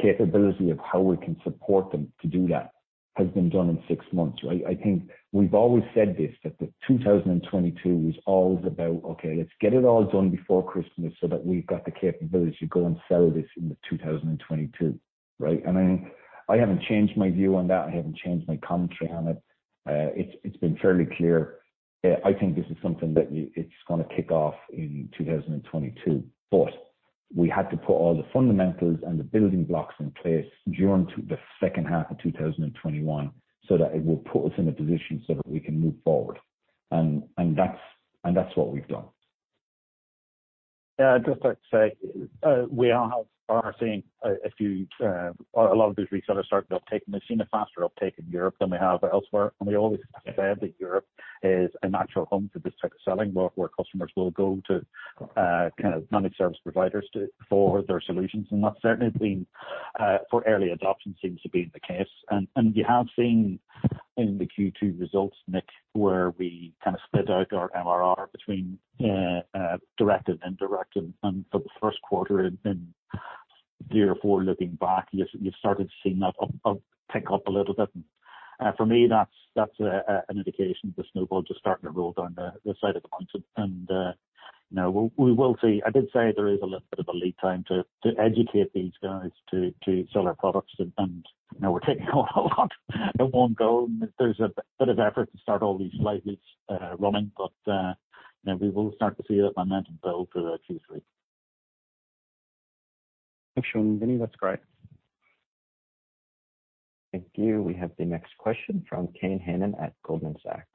Speaker 2: capability of how we can support them to do that has been done in six months, right? I think we've always said this, that 2022 was always about, okay, let's get it all done before Christmas, so that we've got the capability to go and sell this into 2022, right? I haven't changed my view on that. I haven't changed my commentary on it. It's been fairly clear. I think this is something that it's gonna kick off in 2022. We had to put all the fundamentals and the building blocks in place during the second half of 2021, so that it will put us in a position so that we can move forward. That's what we've done.
Speaker 3: Yeah. Just to say, we all are seeing a lot of these resellers starting to uptake. We've seen a faster uptake in Europe than we have elsewhere. We always said that Europe is a natural home for this type of selling, where customers will go to kind of managed service providers for their solutions. That certainly has been the case for early adoption. You have seen in the Q2 results, Nick, where we kind of split out our MRR between direct and indirect. For the Q1 in year four, looking back, you've started seeing that uptick a little bit. For me, that's an indication the snowball just starting to roll down the side of the mountain and now we will see. I did say there is a little bit of a lead time to educate these guys to sell our products. You know, we're taking on a lot in one go, and there's a bit of effort to start all these flights running. You know, we will start to see that momentum build for the Q3.
Speaker 7: Thanks, Sean and Vinny. That's great.
Speaker 1: Thank you. We have the next question from Kane Hannan at Goldman Sachs.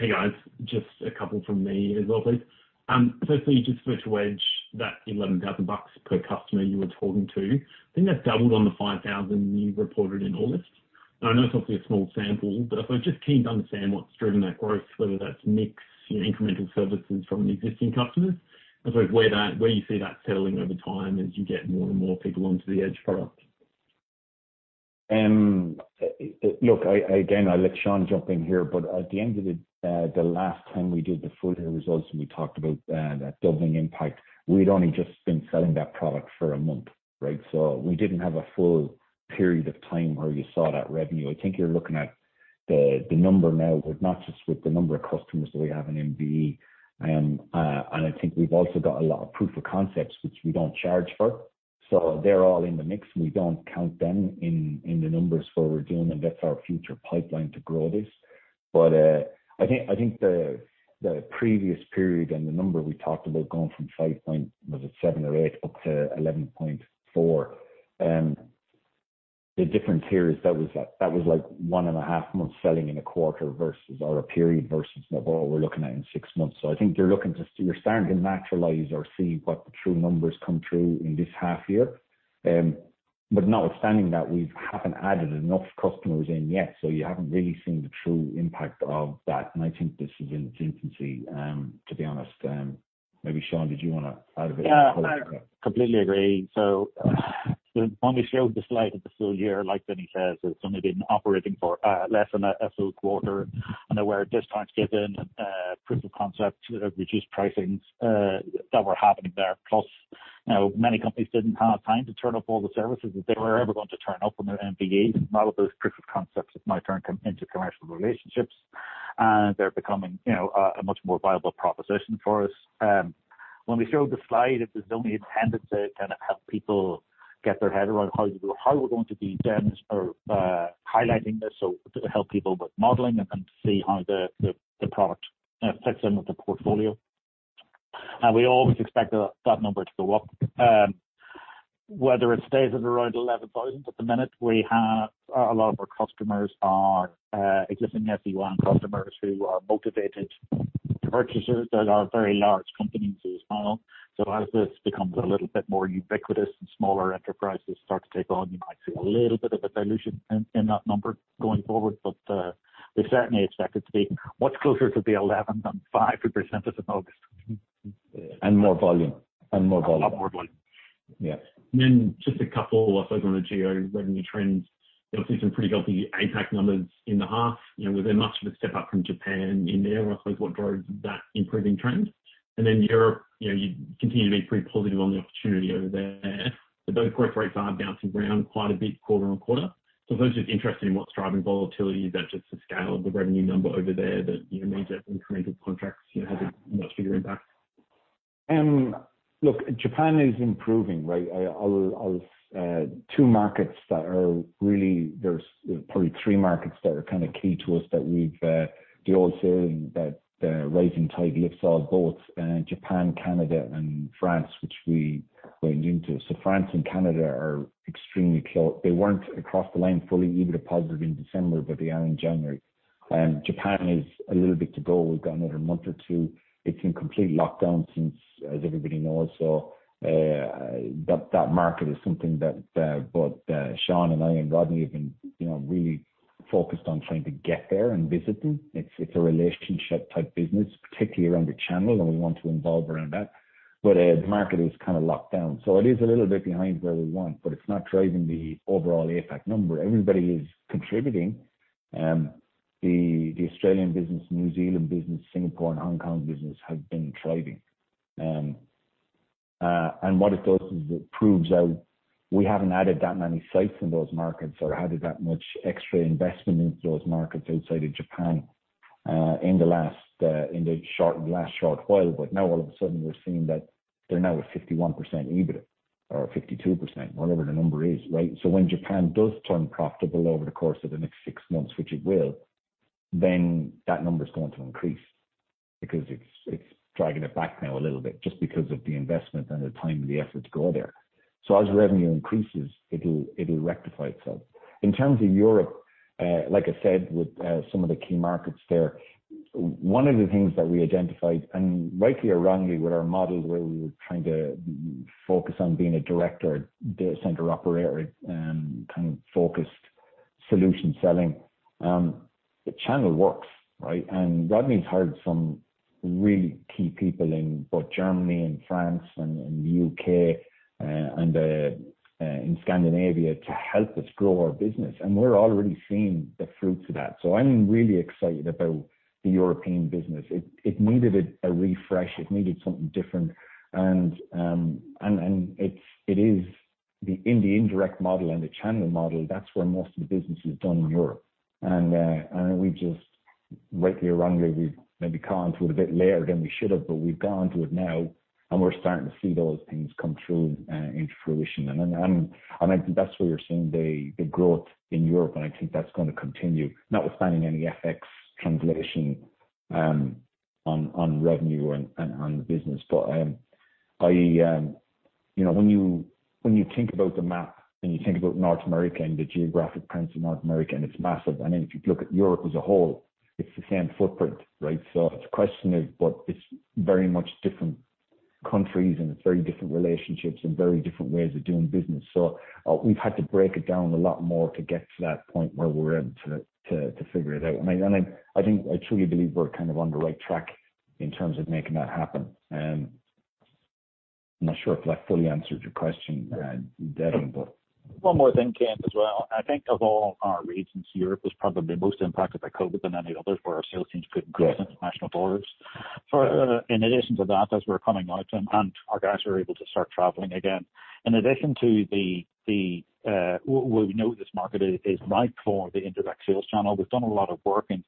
Speaker 8: Hey, guys. Just a couple from me as well, please. Firstly, just switch to Edge, that $11,000 per customer you were talking to. I think that's doubled on the $5,000 you reported in August. Now I know it's obviously a small sample, but I was just keen to understand what's driven that growth, whether that's mix, you know, incremental services from existing customers. I suppose where you see that settling over time as you get more and more people onto the Edge product.
Speaker 2: Look, I'll let Sean jump in here, but at the end of the last time we did the full-year results and we talked about that doubling impact, we'd only just been selling that product for a month, right? We didn't have a full period of time where you saw that revenue. I think you're looking at the number now, but not just with the number of customers that we have in MVE. And I think we've also got a lot of proof of concepts which we don't charge for. They're all in the mix. We don't count them in the numbers for what we're doing, and that's our future pipeline to grow this. I think the previous period and the number we talked about going from five point... Was it 7 or 8, up to 11.4, the different periods, that was like 1.5 months selling in a quarter versus or a period versus what we're looking at in 6 months. I think you're starting to normalize or see what the true numbers come through in this half year. Notwithstanding that, we haven't added enough customers in yet, so you haven't really seen the true impact of that. I think this is in its infancy, to be honest. Maybe Sean, did you want to add a bit?
Speaker 3: Yeah, I completely agree. When we showed the slide at the full-year, like Vinny says, it's only been operating for less than a full-quarter. There were discounts given, proof of concept, reduced pricings that were happening there. Plus, you know, many companies didn't have time to turn up all the services that they were ever going to turn up on their MVEs. A lot of those proof of concepts have now turned them into commercial relationships. They're becoming, you know, a much more viable proposition for us. When we showed the slide, it was only intended to kind of help people get their head around how we're going to be highlighting this so it help people with modeling and see how the product fits in with the portfolio. We always expect that number to go up. Whether it stays at around 11,000 at the minute, we have a lot of our customers are existing SE1 customers who are motivated purchasers that are very large companies as well. As this becomes a little bit more ubiquitous and smaller enterprises start to take on, you might see a little bit of a dilution in that number going forward. We certainly expect it to be much closer to the 11,000 than 5,000 we presented in August.
Speaker 2: More volume.
Speaker 3: A lot more volume.
Speaker 2: Yeah.
Speaker 8: Just a couple I suppose on the geo revenue trends. You obviously have some pretty healthy APAC numbers in the half. You know, was there much of a step up from Japan in there, or I suppose what drove that improving trend? Europe, you know, you continue to be pretty positive on the opportunity over there. Those growth rates are bouncing around quite a bit quarter-over-quarter. I'm just interested in what's driving volatility. Is that just the scale of the revenue number over there that, you know, means that incremental contracts, you know, have a much bigger impact?
Speaker 2: Look, Japan is improving, right? There are probably three markets that are kind of key to us, the old saying that rising tide lifts all boats, Japan, Canada and France, which we went into. France and Canada are extremely close. They weren't across the line fully. We deployed in December, but they are in January. Japan is a little bit to go. We've got another month or two. It's in complete lockdown since, as everybody knows. That market is something that both Sean and I and Rodney have been, you know, really focused on trying to get there and visit them. It's a relationship type business, particularly around the channel, and we want to involve around that. The market is kind of locked down, so it is a little bit behind where we want, but it's not driving the overall APAC number. Everybody is contributing. The Australian business, New Zealand business, Singapore and Hong Kong business have been thriving. And what it does is it proves out, we haven't added that many sites in those markets or added that much extra investment into those markets outside of Japan, in the last short while. Now all of a sudden we're seeing that they're now at 51% EBIT or 52%, whatever the number is, right? When Japan does turn profitable over the course of the next six months, which it will, then that number is going to increase because it's dragging it back now a little bit just because of the investment and the time and the effort to go there. As revenue increases, it'll rectify itself. In terms of Europe, like I said, with some of the key markets there, one of the things that we identified, and rightly or wrongly with our models where we were trying to focus on being a direct data center operator, kind of focused solution selling, the channel works, right? Rodney's hired some really key people in both Germany and France and the U.K. and in Scandinavia to help us grow our business. We're already seeing the fruits of that. I'm really excited about the European business. It needed a refresh. It needed something different. In the indirect model and the channel model, that's where most of the business is done in Europe. We just rightly or wrongly, we've maybe can't do it a bit later than we should have, but we've gone to it now and we're starting to see those things come through in fruition. I think that's where you're seeing the growth in Europe, and I think that's gonna continue, notwithstanding any FX translation on revenue and on the business. You know, when you think about the map and you think about North America and the geographic kinds of North America, and it's massive. I mean, if you look at Europe as a whole, it's the same footprint, right? It's a question of, but it's very much different countries and it's very different relationships and very different ways of doing business. We've had to break it down a lot more to get to that point where we're able to figure it out. I think I truly believe we're kind of on the right track in terms of making that happen. I'm not sure if that fully answered your question, Kane Hannan, but.
Speaker 3: One more thing, Ken, as well. I think of all our regions, Europe was probably most impacted by COVID than any others where our sales teams couldn't cross international borders. For in addition to that, as we're coming out and our guys are able to start traveling again. In addition to the well, we know this market is right for the indirect sales channel. We've done a lot of work in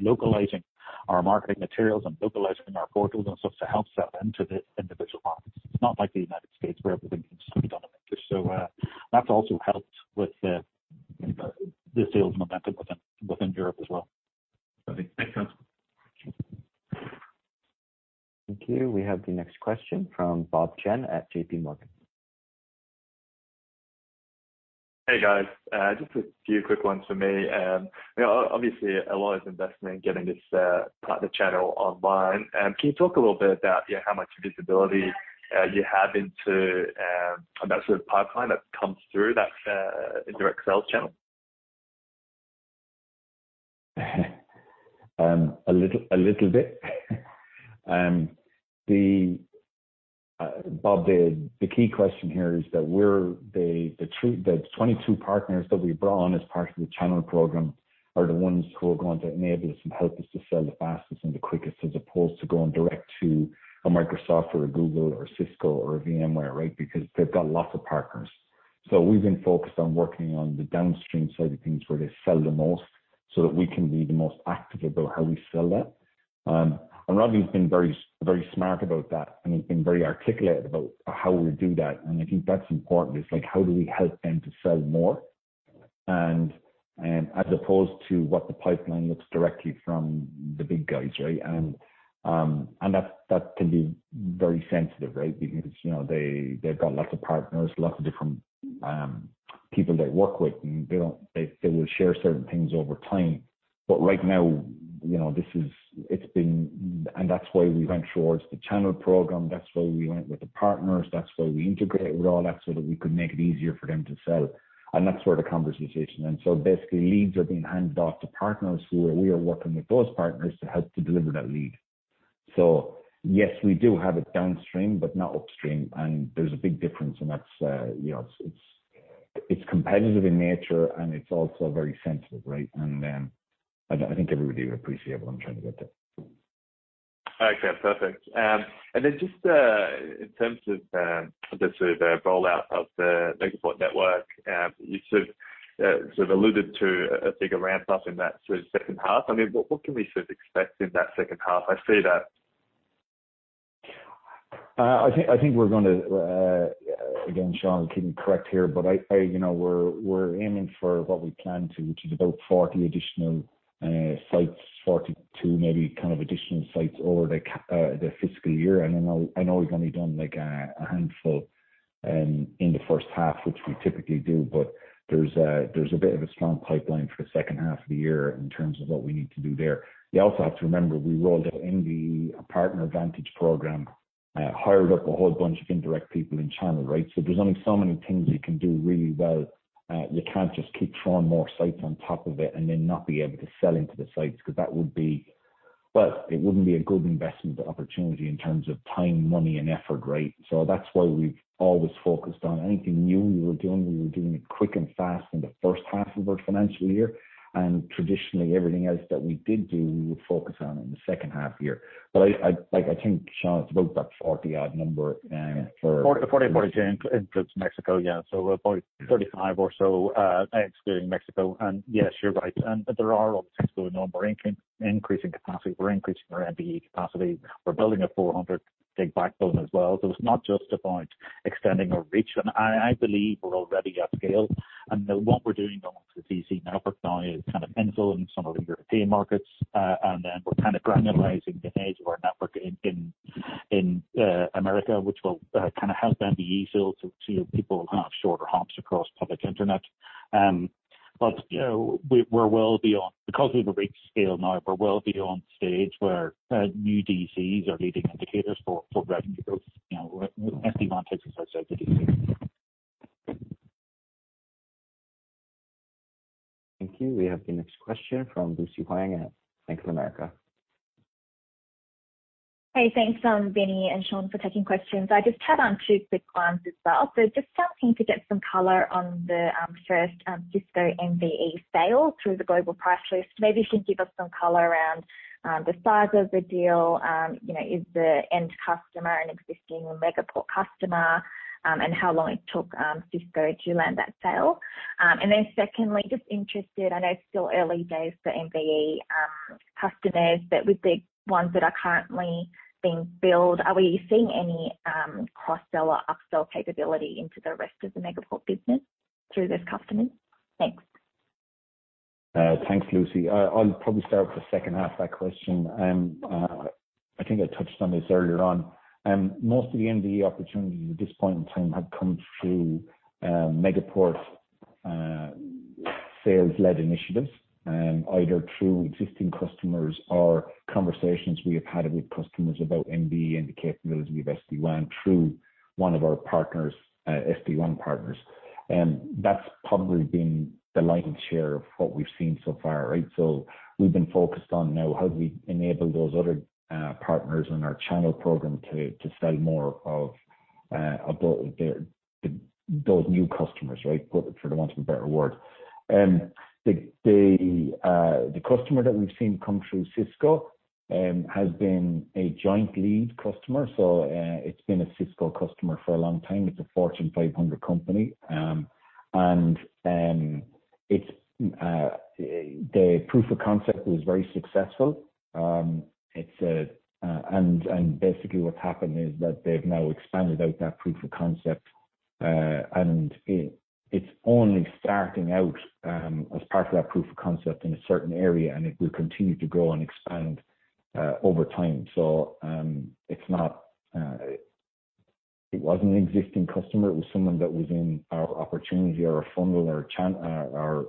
Speaker 3: localizing our marketing materials and localizing our portals and stuff to help sell into the individual markets. It's not like the United States where everything can just be done in English. So that's also helped with the sales momentum within Europe as well.
Speaker 1: Perfect. Thanks, guys. Thank you. We have the next question from Bob Chen at JP Morgan.
Speaker 9: Hey, guys. Just a few quick ones for me. You know, obviously, a lot of investment getting this partner channel online. Can you talk a little bit about, yeah, how much visibility you have into about sort of pipeline that comes through that indirect sales channel?
Speaker 2: A little bit. Bob, the key question here is that the 22 partners that we brought on as part of the channel program are the ones who are going to enable us and help us to sell the fastest and the quickest as opposed to going direct to a Microsoft or a Google or Cisco or a VMware, right? Because they've got lots of partners. We've been focused on working on the downstream side of things where they sell the most so that we can be the most active about how we sell that. Rodney's been very smart about that, and he's been very articulate about how we do that. I think that's important. It's like, how do we help them to sell more and as opposed to what the pipeline looks directly from the big guys, right? That can be very sensitive, right? Because you know, they've got lots of partners, lots of different people they work with, and they will share certain things over time. Right now, you know, this is. It's been. That's why we went towards the channel program. That's why we went with the partners. That's why we integrated with all that so that we could make it easier for them to sell. That's where the conversation is. Basically, leads are being handed off to partners who are, we are working with those partners to help to deliver that lead. Yes, we do have it downstream, but not upstream. There's a big difference. That's, you know, it's competitive in nature, and it's also very sensitive, right? I think everybody would appreciate what I'm trying to get to.
Speaker 9: Okay. Perfect. Then just in terms of the sort of rollout of the Megaport network, you sort of alluded to a bigger ramp up in that sort of second half. I mean, what can we sort of expect in that second half? I see that
Speaker 2: I think we're gonna again, Sean can correct here, but you know, we're aiming for what we planned to, which is about 40 additional sites, 42 maybe kind of additional sites over the fiscal year. I know we've only done, like a handful in the first half, which we typically do. There's a bit of a strong pipeline for the second half of the year in terms of what we need to do there. You also have to remember, we rolled out in the Partner Vantage program, hired up a whole bunch of indirect people in channel, right? There's only so many things you can do really well. You can't just keep throwing more sites on top of it and then not be able to sell into the sites 'cause that would be. Well, it wouldn't be a good investment opportunity in terms of time, money and effort, right? That's why we've always focused on anything new we were doing, we were doing it quick and fast in the first half of our financial year. Traditionally, everything else that we did do, we would focus on in the second half-year. But I like, I think, Sean, it's about that 40-odd number, for-
Speaker 3: 42 includes Mexico, yeah. About 35 or so, excluding Mexico. Yes, you're right. There are other things going on. We're increasing capacity. We're increasing our MVE capacity. We're building a 400G backbone as well. It's not just about extending our reach. I believe we're already at scale. What we're doing on the DC network now is kind of influencing some of the European markets. We're kind of granularizing the edge of our network in America, which will kind of help MVE sales to people who have shorter hops across public internet. But, you know, we're well beyond. Because we have reached scale now, we're well beyond the stage where new DCs are leading indicators for revenue growth. You know, SD-WAN takes us outside the DC.
Speaker 1: Thank you. We have the next question from Lucy Huang at Bank of America.
Speaker 10: Hey, thanks, Vinnie and Sean, for taking questions. I just had two quick ones as well. Just something to get some color on the first Cisco MVE sale through the Global Price List. Maybe you can give us some color around the size of the deal. You know, is the end customer an existing Megaport customer, and how long it took Cisco to land that sale? And then secondly, just interested, I know it's still early days for MVE customers, but with the ones that are currently being built, are we seeing any cross-sell or upsell capability into the rest of the Megaport business through those customers? Thanks.
Speaker 2: Thanks, Lucy. I'll probably start with the second half of that question. I think I touched on this earlier on. Most of the MVE opportunities at this point in time have come through Megaport sales-led initiatives, either through existing customers or conversations we have had with customers about MVE and the capability of SD-WAN through one of our partners, SD-WAN partners. That's probably been the lion's share of what we've seen so far, right? We've been focused on now how do we enable those other partners in our channel program to sell more about those new customers, right? For the want of a better word. The customer that we've seen come through Cisco has been a joint lead customer. It's been a Cisco customer for a long time. It's a Fortune 500 company. The proof of concept was very successful. Basically what's happened is that they've now expanded out that proof of concept, and it's only starting out as part of that proof of concept in a certain area, and it will continue to grow and expand over time. It wasn't an existing customer. It was someone that was in our opportunity or our funnel or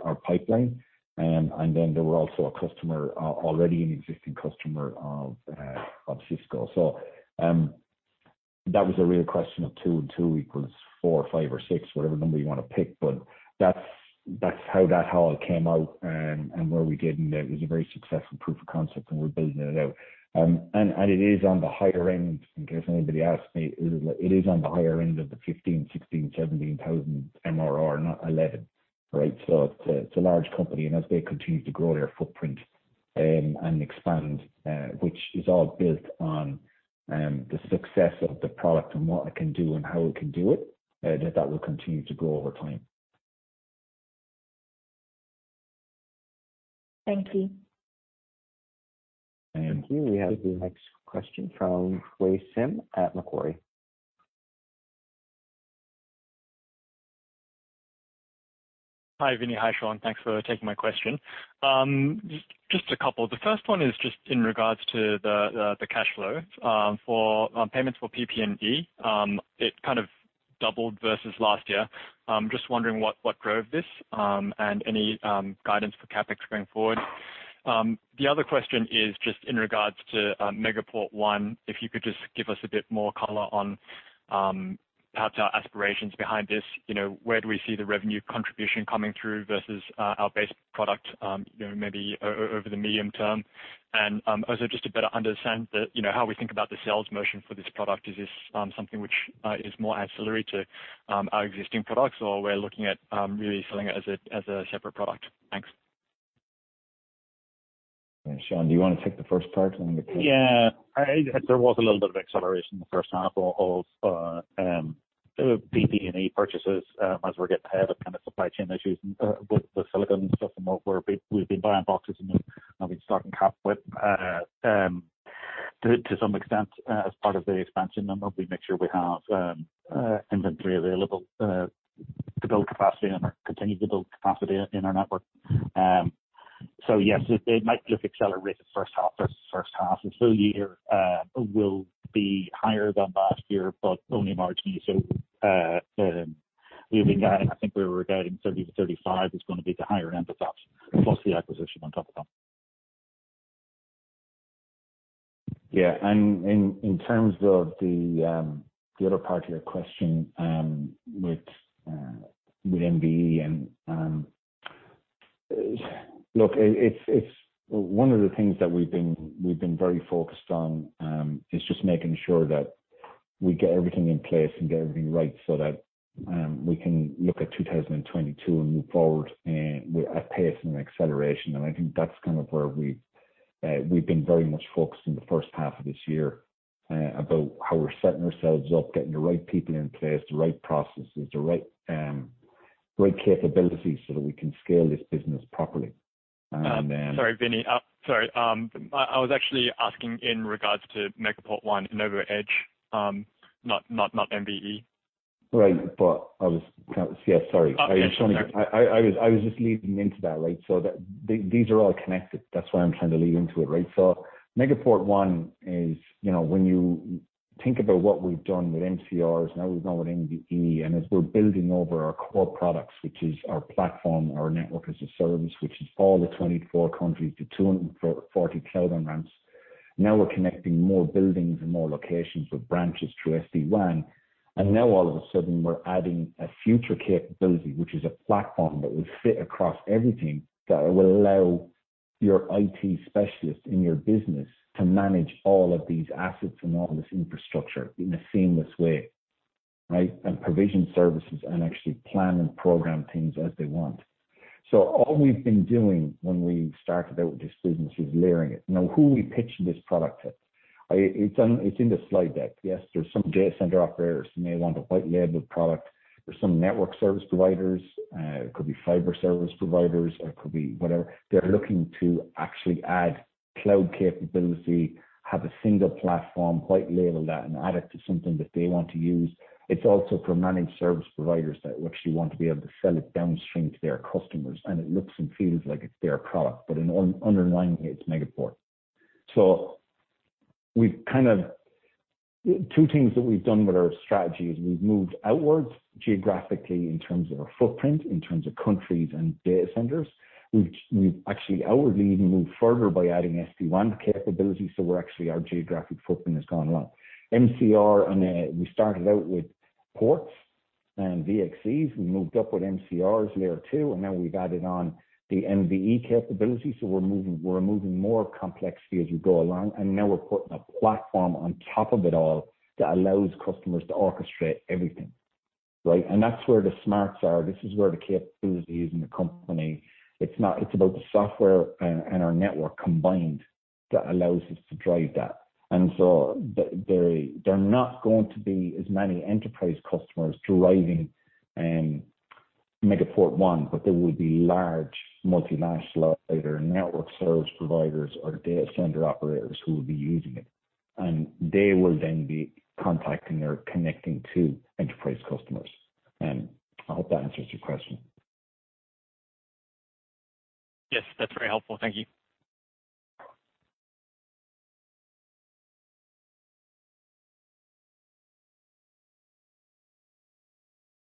Speaker 2: our pipeline. Then they were also a customer, already an existing customer of Cisco. That was a real question of 2 and 2 equals 4 or 5 or 6, whatever number you wanna pick. That's how that all came out, and where we did. It was a very successful proof of concept, and we're building it out. It is on the higher-end, in case anybody asks me. It is on the higher-end of the 15, 16, 17 thousand MRR, not 11, right? It's a large company, and as they continue to grow their footprint, and expand, which is all built on the success of the product and what it can do and how it can do it, that will continue to grow over time.
Speaker 10: Thank you.
Speaker 1: Thank you. We have the next question from Hui Sim at Macquarie.
Speaker 11: Hi, Vinny. Hi, Sean. Thanks for taking my question. Just a couple. The first one is just in regards to the cash flow for payments for PP&E. It kind of doubled versus last year. Just wondering what drove this and any guidance for CapEx going forward. The other question is just in regards to Megaport One, if you could just give us a bit more color on perhaps our aspirations behind this. You know, where do we see the revenue contribution coming through versus our base product, you know, maybe over the medium term? Also just to better understand the, you know, how we think about the sales motion for this product. Is this something which is more ancillary to our existing products, or we're looking at really selling it as a separate product? Thanks.
Speaker 2: Yeah. Sean, do you wanna take the first part and then-
Speaker 3: There was a little bit of acceleration in the first half of PP&E purchases as we're getting ahead of kind of supply chain issues and the silicon stuff and we've been buying boxes and then I've been stocking up to some extent as part of the expansion number. We make sure we have inventory available to build capacity and continue to build capacity in our network. So yes, it might look accelerated first half versus second half. The full-year will be higher than last year, but only marginally so. We've been guiding, I think we were guiding 30-35 is gonna be the higher-end of that, plus the acquisition on top of that.
Speaker 2: Yeah. In terms of the other part of your question, with MVE. Look, it's one of the things that we've been very focused on is just making sure that we get everything in place and get everything right so that we can look at 2022 and move forward with a pace and an acceleration. I think that's kind of where we've been very much focused in the first half of this year about how we're setting ourselves up, getting the right people in place, the right processes, the right capabilities so that we can scale this business properly.
Speaker 11: Sorry, Vinny. I was actually asking in regards to Megaport One and Nova Edge, not MVE.
Speaker 2: Right. Yeah, sorry.
Speaker 11: Oh, yeah. Sorry.
Speaker 2: I was just leading into that, right? That these are all connected. That's why I'm trying to lead into it, right? Megaport One is, you know, when you think about what we've done with MCRs, now we've gone with MVE, and as we're building over our core products which is our platform, our Network as a Service, which is all the 24 countries, the 240 cloud on-ramps. Now we're connecting more buildings and more locations with branches through SD-WAN. Now all of a sudden we're adding a future capability, which is a platform that will fit across everything, that will allow your IT specialists in your business to manage all of these assets and all this infrastructure in a seamless way, right? Provision services and actually plan and program things as they want. All we've been doing when we started out with this business is layering it. Now, who we pitching this product at? It's in the slide deck. Yes, there's some data center operators who may want a white labeled product. There's some network service providers. It could be fiber service providers, or it could be whatever. They're looking to actually add cloud capability, have a single platform, white label that, and add it to something that they want to use. It's also for managed service providers that actually want to be able to sell it downstream to their customers, and it looks and feels like it's their product, but in underlying it's Megaport. We've kind of two things that we've done with our strategy is we've moved outwards geographically in terms of our footprint, in terms of countries and data centers. We've actually outwardly even moved further by adding SD-WAN capability. Our geographic footprint has gone along. MCR and we started out with ports and VXCs. We moved up with MCR's Layer 2, and now we've added on the MVE capability. We're moving, we're removing more complexity as you go along. Now we're putting a platform on top of it all that allows customers to orchestrate everything, right? That's where the smarts are. This is where the capability is in the company. It's not. It's about the software and our network combined that allows us to drive that. They're not going to be as many enterprise customers driving Megaport One, but there will be large multinational either network service providers or data center operators who will be using it. They will then be contacting or connecting to enterprise customers. I hope that answers your question.
Speaker 11: Yes, that's very helpful. Thank you.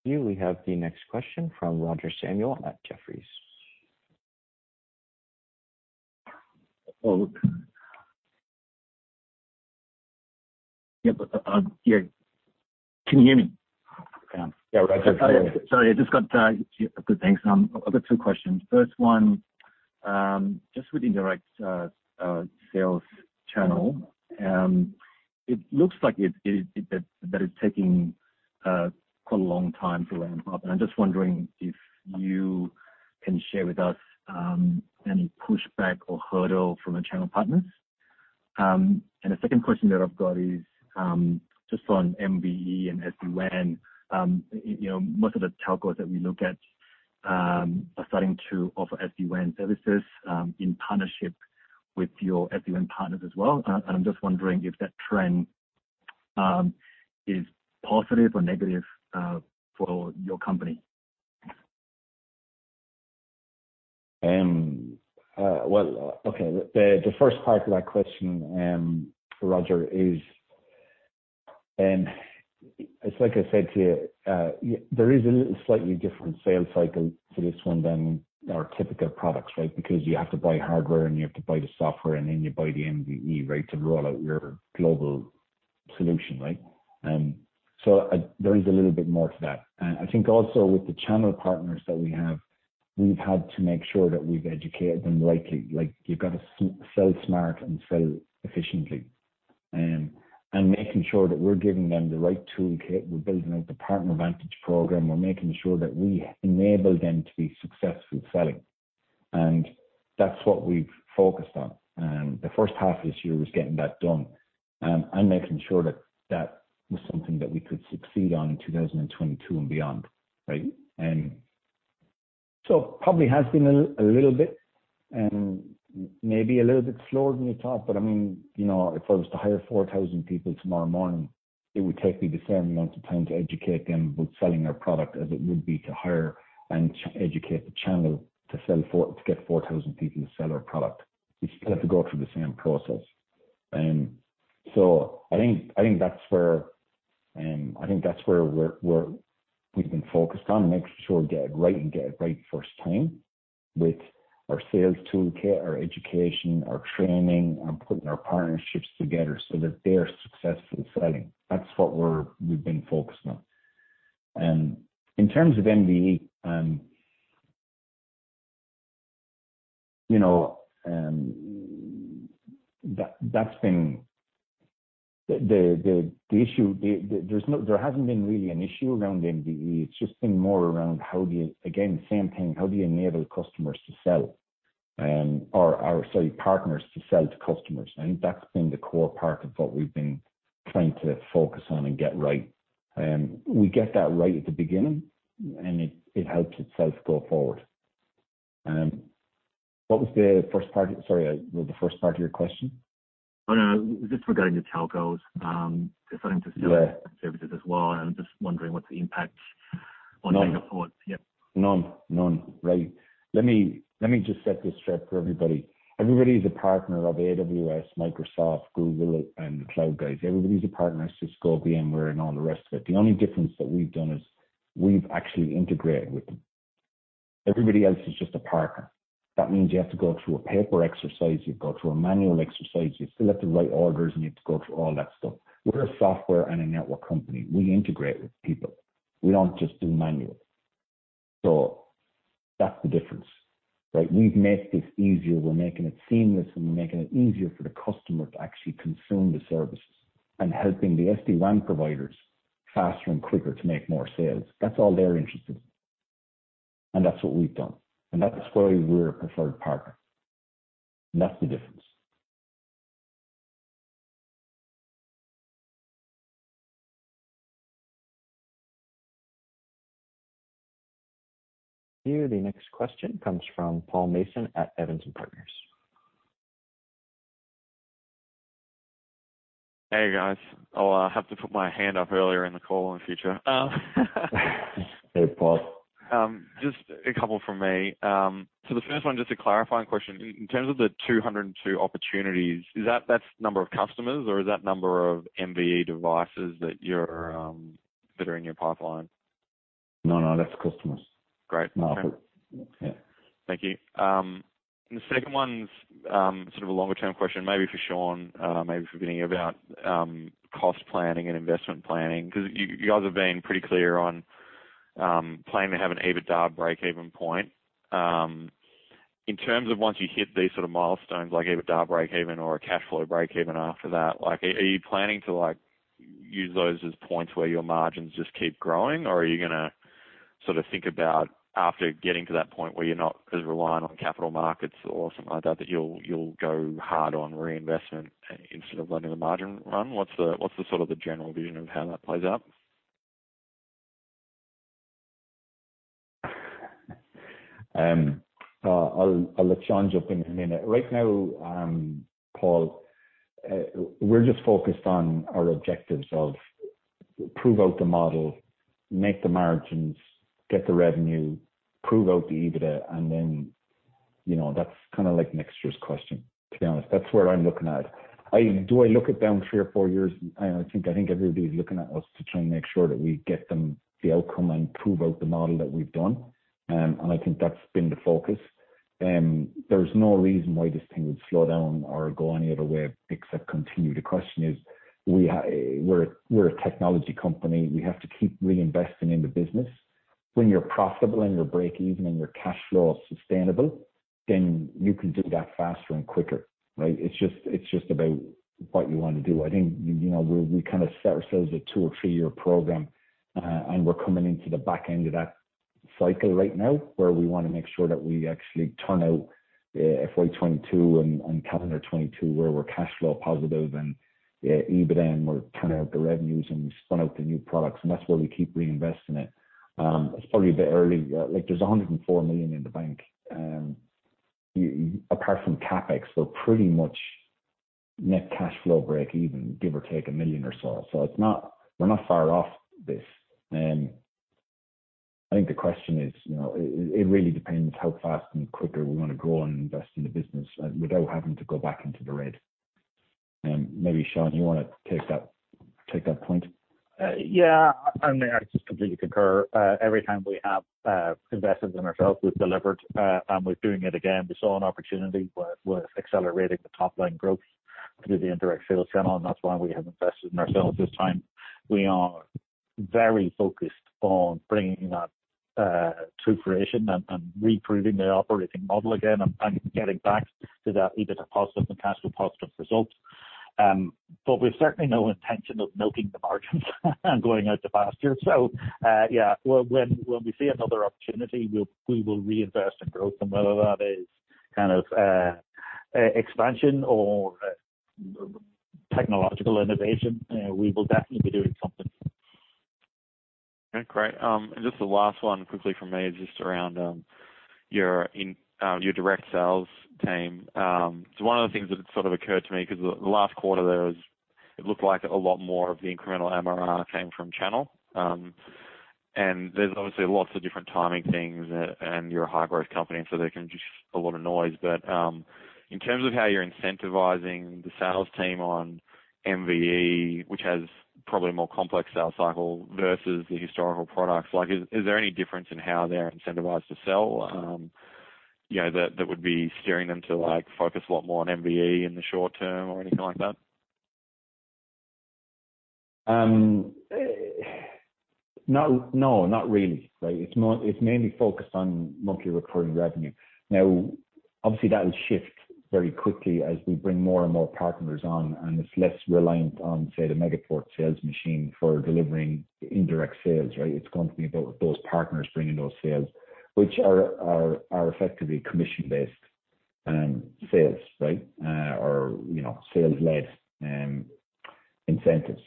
Speaker 1: We have the next question from Roger Samuel at Jefferies.
Speaker 12: Oh. Yeah, but, yeah. Can you hear me?
Speaker 1: Yeah. Roger, can you hear me?
Speaker 12: Good. Thanks. I've got two questions. First one, just with indirect sales channel, it looks like it's taking quite a long time to ramp up. I'm just wondering if you can share with us any pushback or hurdle from the channel partners. The second question that I've got is just on MVE and SD-WAN. You know, most of the telcos that we look at are starting to offer SD-WAN services in partnership with your SD-WAN partners as well. I'm just wondering if that trend is positive or negative for your company.
Speaker 2: Well, okay. The first part of that question, Roger, is. It's like I said to you, there is a little slightly different sales cycle for this one than our typical products, right? Because you have to buy hardware and you have to buy the software and then you buy the MVE, right? To roll out your global solution, right? So, there is a little bit more to that. I think also with the channel partners that we have, we've had to make sure that we've educated them rightly. Like you've got to sell smart and sell efficiently. Making sure that we're giving them the right toolkit. We're building out the PartnerVantage program. We're making sure that we enable them to be successful selling. That's what we've focused on. The first half of this year was getting that done, and making sure that that was something that we could succeed on in 2022 and beyond, right? Probably has been a little bit, maybe a little bit slower than you thought. I mean, you know, if I was to hire 4,000 people tomorrow morning, it would take me the same amount of time to educate them about selling our product as it would be to hire and educate the channel to sell. To get 4,000 people to sell our product, which they have to go through the same process. I think that's where we've been focused on making sure we get it right first time with our sales toolkit, our education, our training, and putting our partnerships together so that they're successful selling. That's what we've been focused on. In terms of MVE, you know, that's been the issue. There hasn't been really an issue around MVE. It's just been more around how do you enable customers to sell, or sorry, partners to sell to customers? Again, same thing. I think that's been the core part of what we've been trying to focus on and get right. We get that right at the beginning and it helps itself go forward. What was the first part? Sorry, the first part of your question.
Speaker 12: Oh, no. Just regarding the telcos, deciding to sell-
Speaker 2: Yeah.
Speaker 12: -services as well. I'm just wondering what the impact on Megaport-
Speaker 2: None.
Speaker 12: Yep.
Speaker 2: No. No. Right. Let me just set this straight for everybody. Everybody is a partner of AWS, Microsoft, Google, and the cloud guys. Everybody's a partner, Cisco, VMware and all the rest of it. The only difference that we've done is we've actually integrated with them. Everybody else is just a partner. That means you have to go through a paper exercise. You've got to go through a manual exercise. You still have to write orders, and you have to go through all that stuff. We're a software and a network company. We integrate with people. We don't just do manual. So that's the difference, right? We've made this easier. We're making it seamless, and we're making it easier for the customer to actually consume the services and helping the SD-WAN providers faster and quicker to make more sales. That's all they're interested in. That's what we've done. That's why we're a preferred partner. That's the difference.
Speaker 1: Here, the next question comes from Paul Mason at Evans and Partners.
Speaker 13: Hey, guys. I'll have to put my hand up earlier in the call in the future.
Speaker 2: Hey, Paul.
Speaker 13: Just a couple from me. The first one, just a clarifying question. In terms of the 202 opportunities, is that the number of customers or is that the number of MVE devices that are in your pipeline?
Speaker 2: No, no, that's customers.
Speaker 13: Great.
Speaker 2: Market. Yeah.
Speaker 13: Thank you. The second one's sort of a longer-term question maybe for Sean, maybe for thinking about cost planning and investment planning 'cause you guys have been pretty clear on planning to have an EBITDA break even point. In terms of once you hit these sort of milestones like EBITDA break even or a cash flow break even after that, like are you planning to like use those as points where your margins just keep growing or are you gonna sort of think about after getting to that point where you're not as reliant on capital markets or something like that you'll go hard on reinvestment instead of letting the margin run? What's the sort of the general vision of how that plays out?
Speaker 2: I'll let Sean jump in in a minute. Right now, Paul, we're just focused on our objectives to prove out the model, make the margins, get the revenue, prove out the EBITDA, and then, you know, that's kinda like next year's question, to be honest. That's where I'm looking at. Do I look down three or four years? I think everybody's looking at us to try and make sure that we get them the outcome and prove out the model that we've done. I think that's been the focus. There's no reason why this thing would slow down or go any other way except to continue. The question is we're a technology company. We have to keep reinvesting in the business. When you're profitable and you're breakeven and your cash flow is sustainable, then you can do that faster and quicker, right? It's just about what you want to do. I think, you know, we kind of set ourselves a 2- or 3-year program, and we're coming into the back end of that cycle right now where we wanna make sure that we actually turn out FY 2022 and calendar 2022 where we're cash flow positive and EBITDA, and we're turning out the revenues and we spun out the new products and that's where we keep reinvesting it. It's probably a bit early. Like there's 104 million in the bank. Apart from CapEx, so pretty much net cash flow breakeven, give or take 1 million or so. It's not. We're not far off this. I think the question is, you know, it really depends how fast and quicker we wanna grow and invest in the business, without having to go back into the red. Maybe, Sean, you wanna take that point?
Speaker 3: Yeah. I mean, I just completely concur. Every time we have invested in ourselves, we've delivered, and we're doing it again. We saw an opportunity with accelerating the top-line growth through the indirect sales channel, and that's why we have invested in ourselves this time. We are very focused on bringing that to fruition and reproving the operating model again and getting back to that EBITDA positive and cash flow positive results. We've certainly no intention of milking the margins and going out to pasture. Yeah, when we see another opportunity, we will reinvest in growth. Whether that is kind of expansion or technological innovation, we will definitely be doing something.
Speaker 13: Okay, great. Just the last one quickly from me is just around your direct sales team. So one of the things that sort of occurred to me 'cause the last quarter there was it looked like a lot more of the incremental MRR came from channel. And there's obviously lots of different timing things, and you're a high growth company, so there can be just a lot of noise. But in terms of how you're incentivizing the sales team on MVE, which has probably a more complex sales cycle versus the historical products, like is there any difference in how they're incentivized to sell, you know, that would be steering them to like focus a lot more on MVE in the short-term or anything like that?
Speaker 2: No, not really. Right? It's mainly focused on monthly recurring revenue. Now obviously that will shift very quickly as we bring more and more partners on, and it's less reliant on, say, the Megaport sales machine for delivering indirect sales, right? It's going to be about those partners bringing those sales, which are effectively commission-based sales, right? Or, you know, sales-led incentives.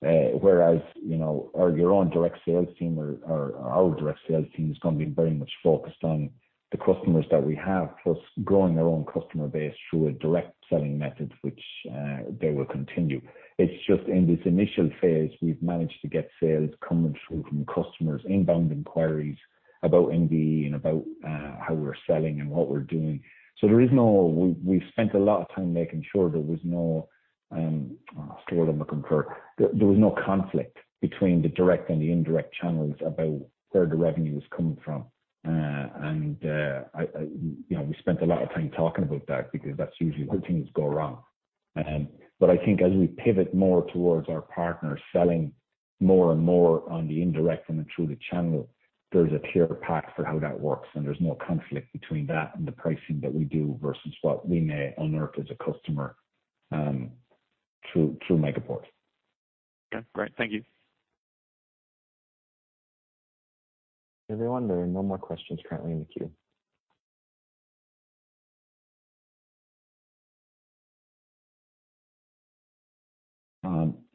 Speaker 2: Whereas, you know, or your own direct sales team or our direct sales team is gonna be very much focused on the customers that we have, plus growing their own customer base through a direct selling method, which they will continue. It's just in this initial phase, we've managed to get sales coming through from customers' inbound inquiries about MVE and about how we're selling and what we're doing. We spent a lot of time making sure there was no cost that we could incur. There was no conflict between the direct and the indirect channels about where the revenue is coming from. You know, we spent a lot of time talking about that because that's usually where things go wrong. I think as we pivot more towards our partners selling more and more on the indirect and through the channel, there's a clear path for how that works. There's no conflict between that and the pricing that we do versus what we may incur as a customer through Megaport.
Speaker 1: Yeah. Great. Thank you. Everyone, there are no more questions currently in the queue.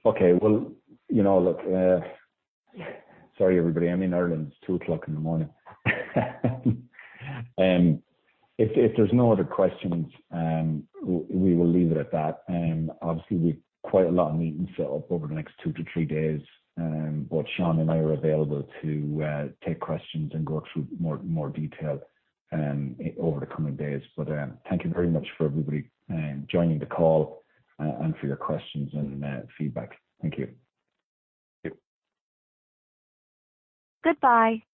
Speaker 2: Okay. Well, you know, look, sorry, everybody. I'm in Ireland, it's 2:00 A.M. If there's no other questions, we will leave it at that. Obviously, we've quite a lot of meetings set up over the next 2 to 3 days. Both Sean and I are available to take questions and go through more detail over the coming days. Thank you very much for everybody joining the call and for your questions and feedback. Thank you.
Speaker 1: Thank you. Goodbye.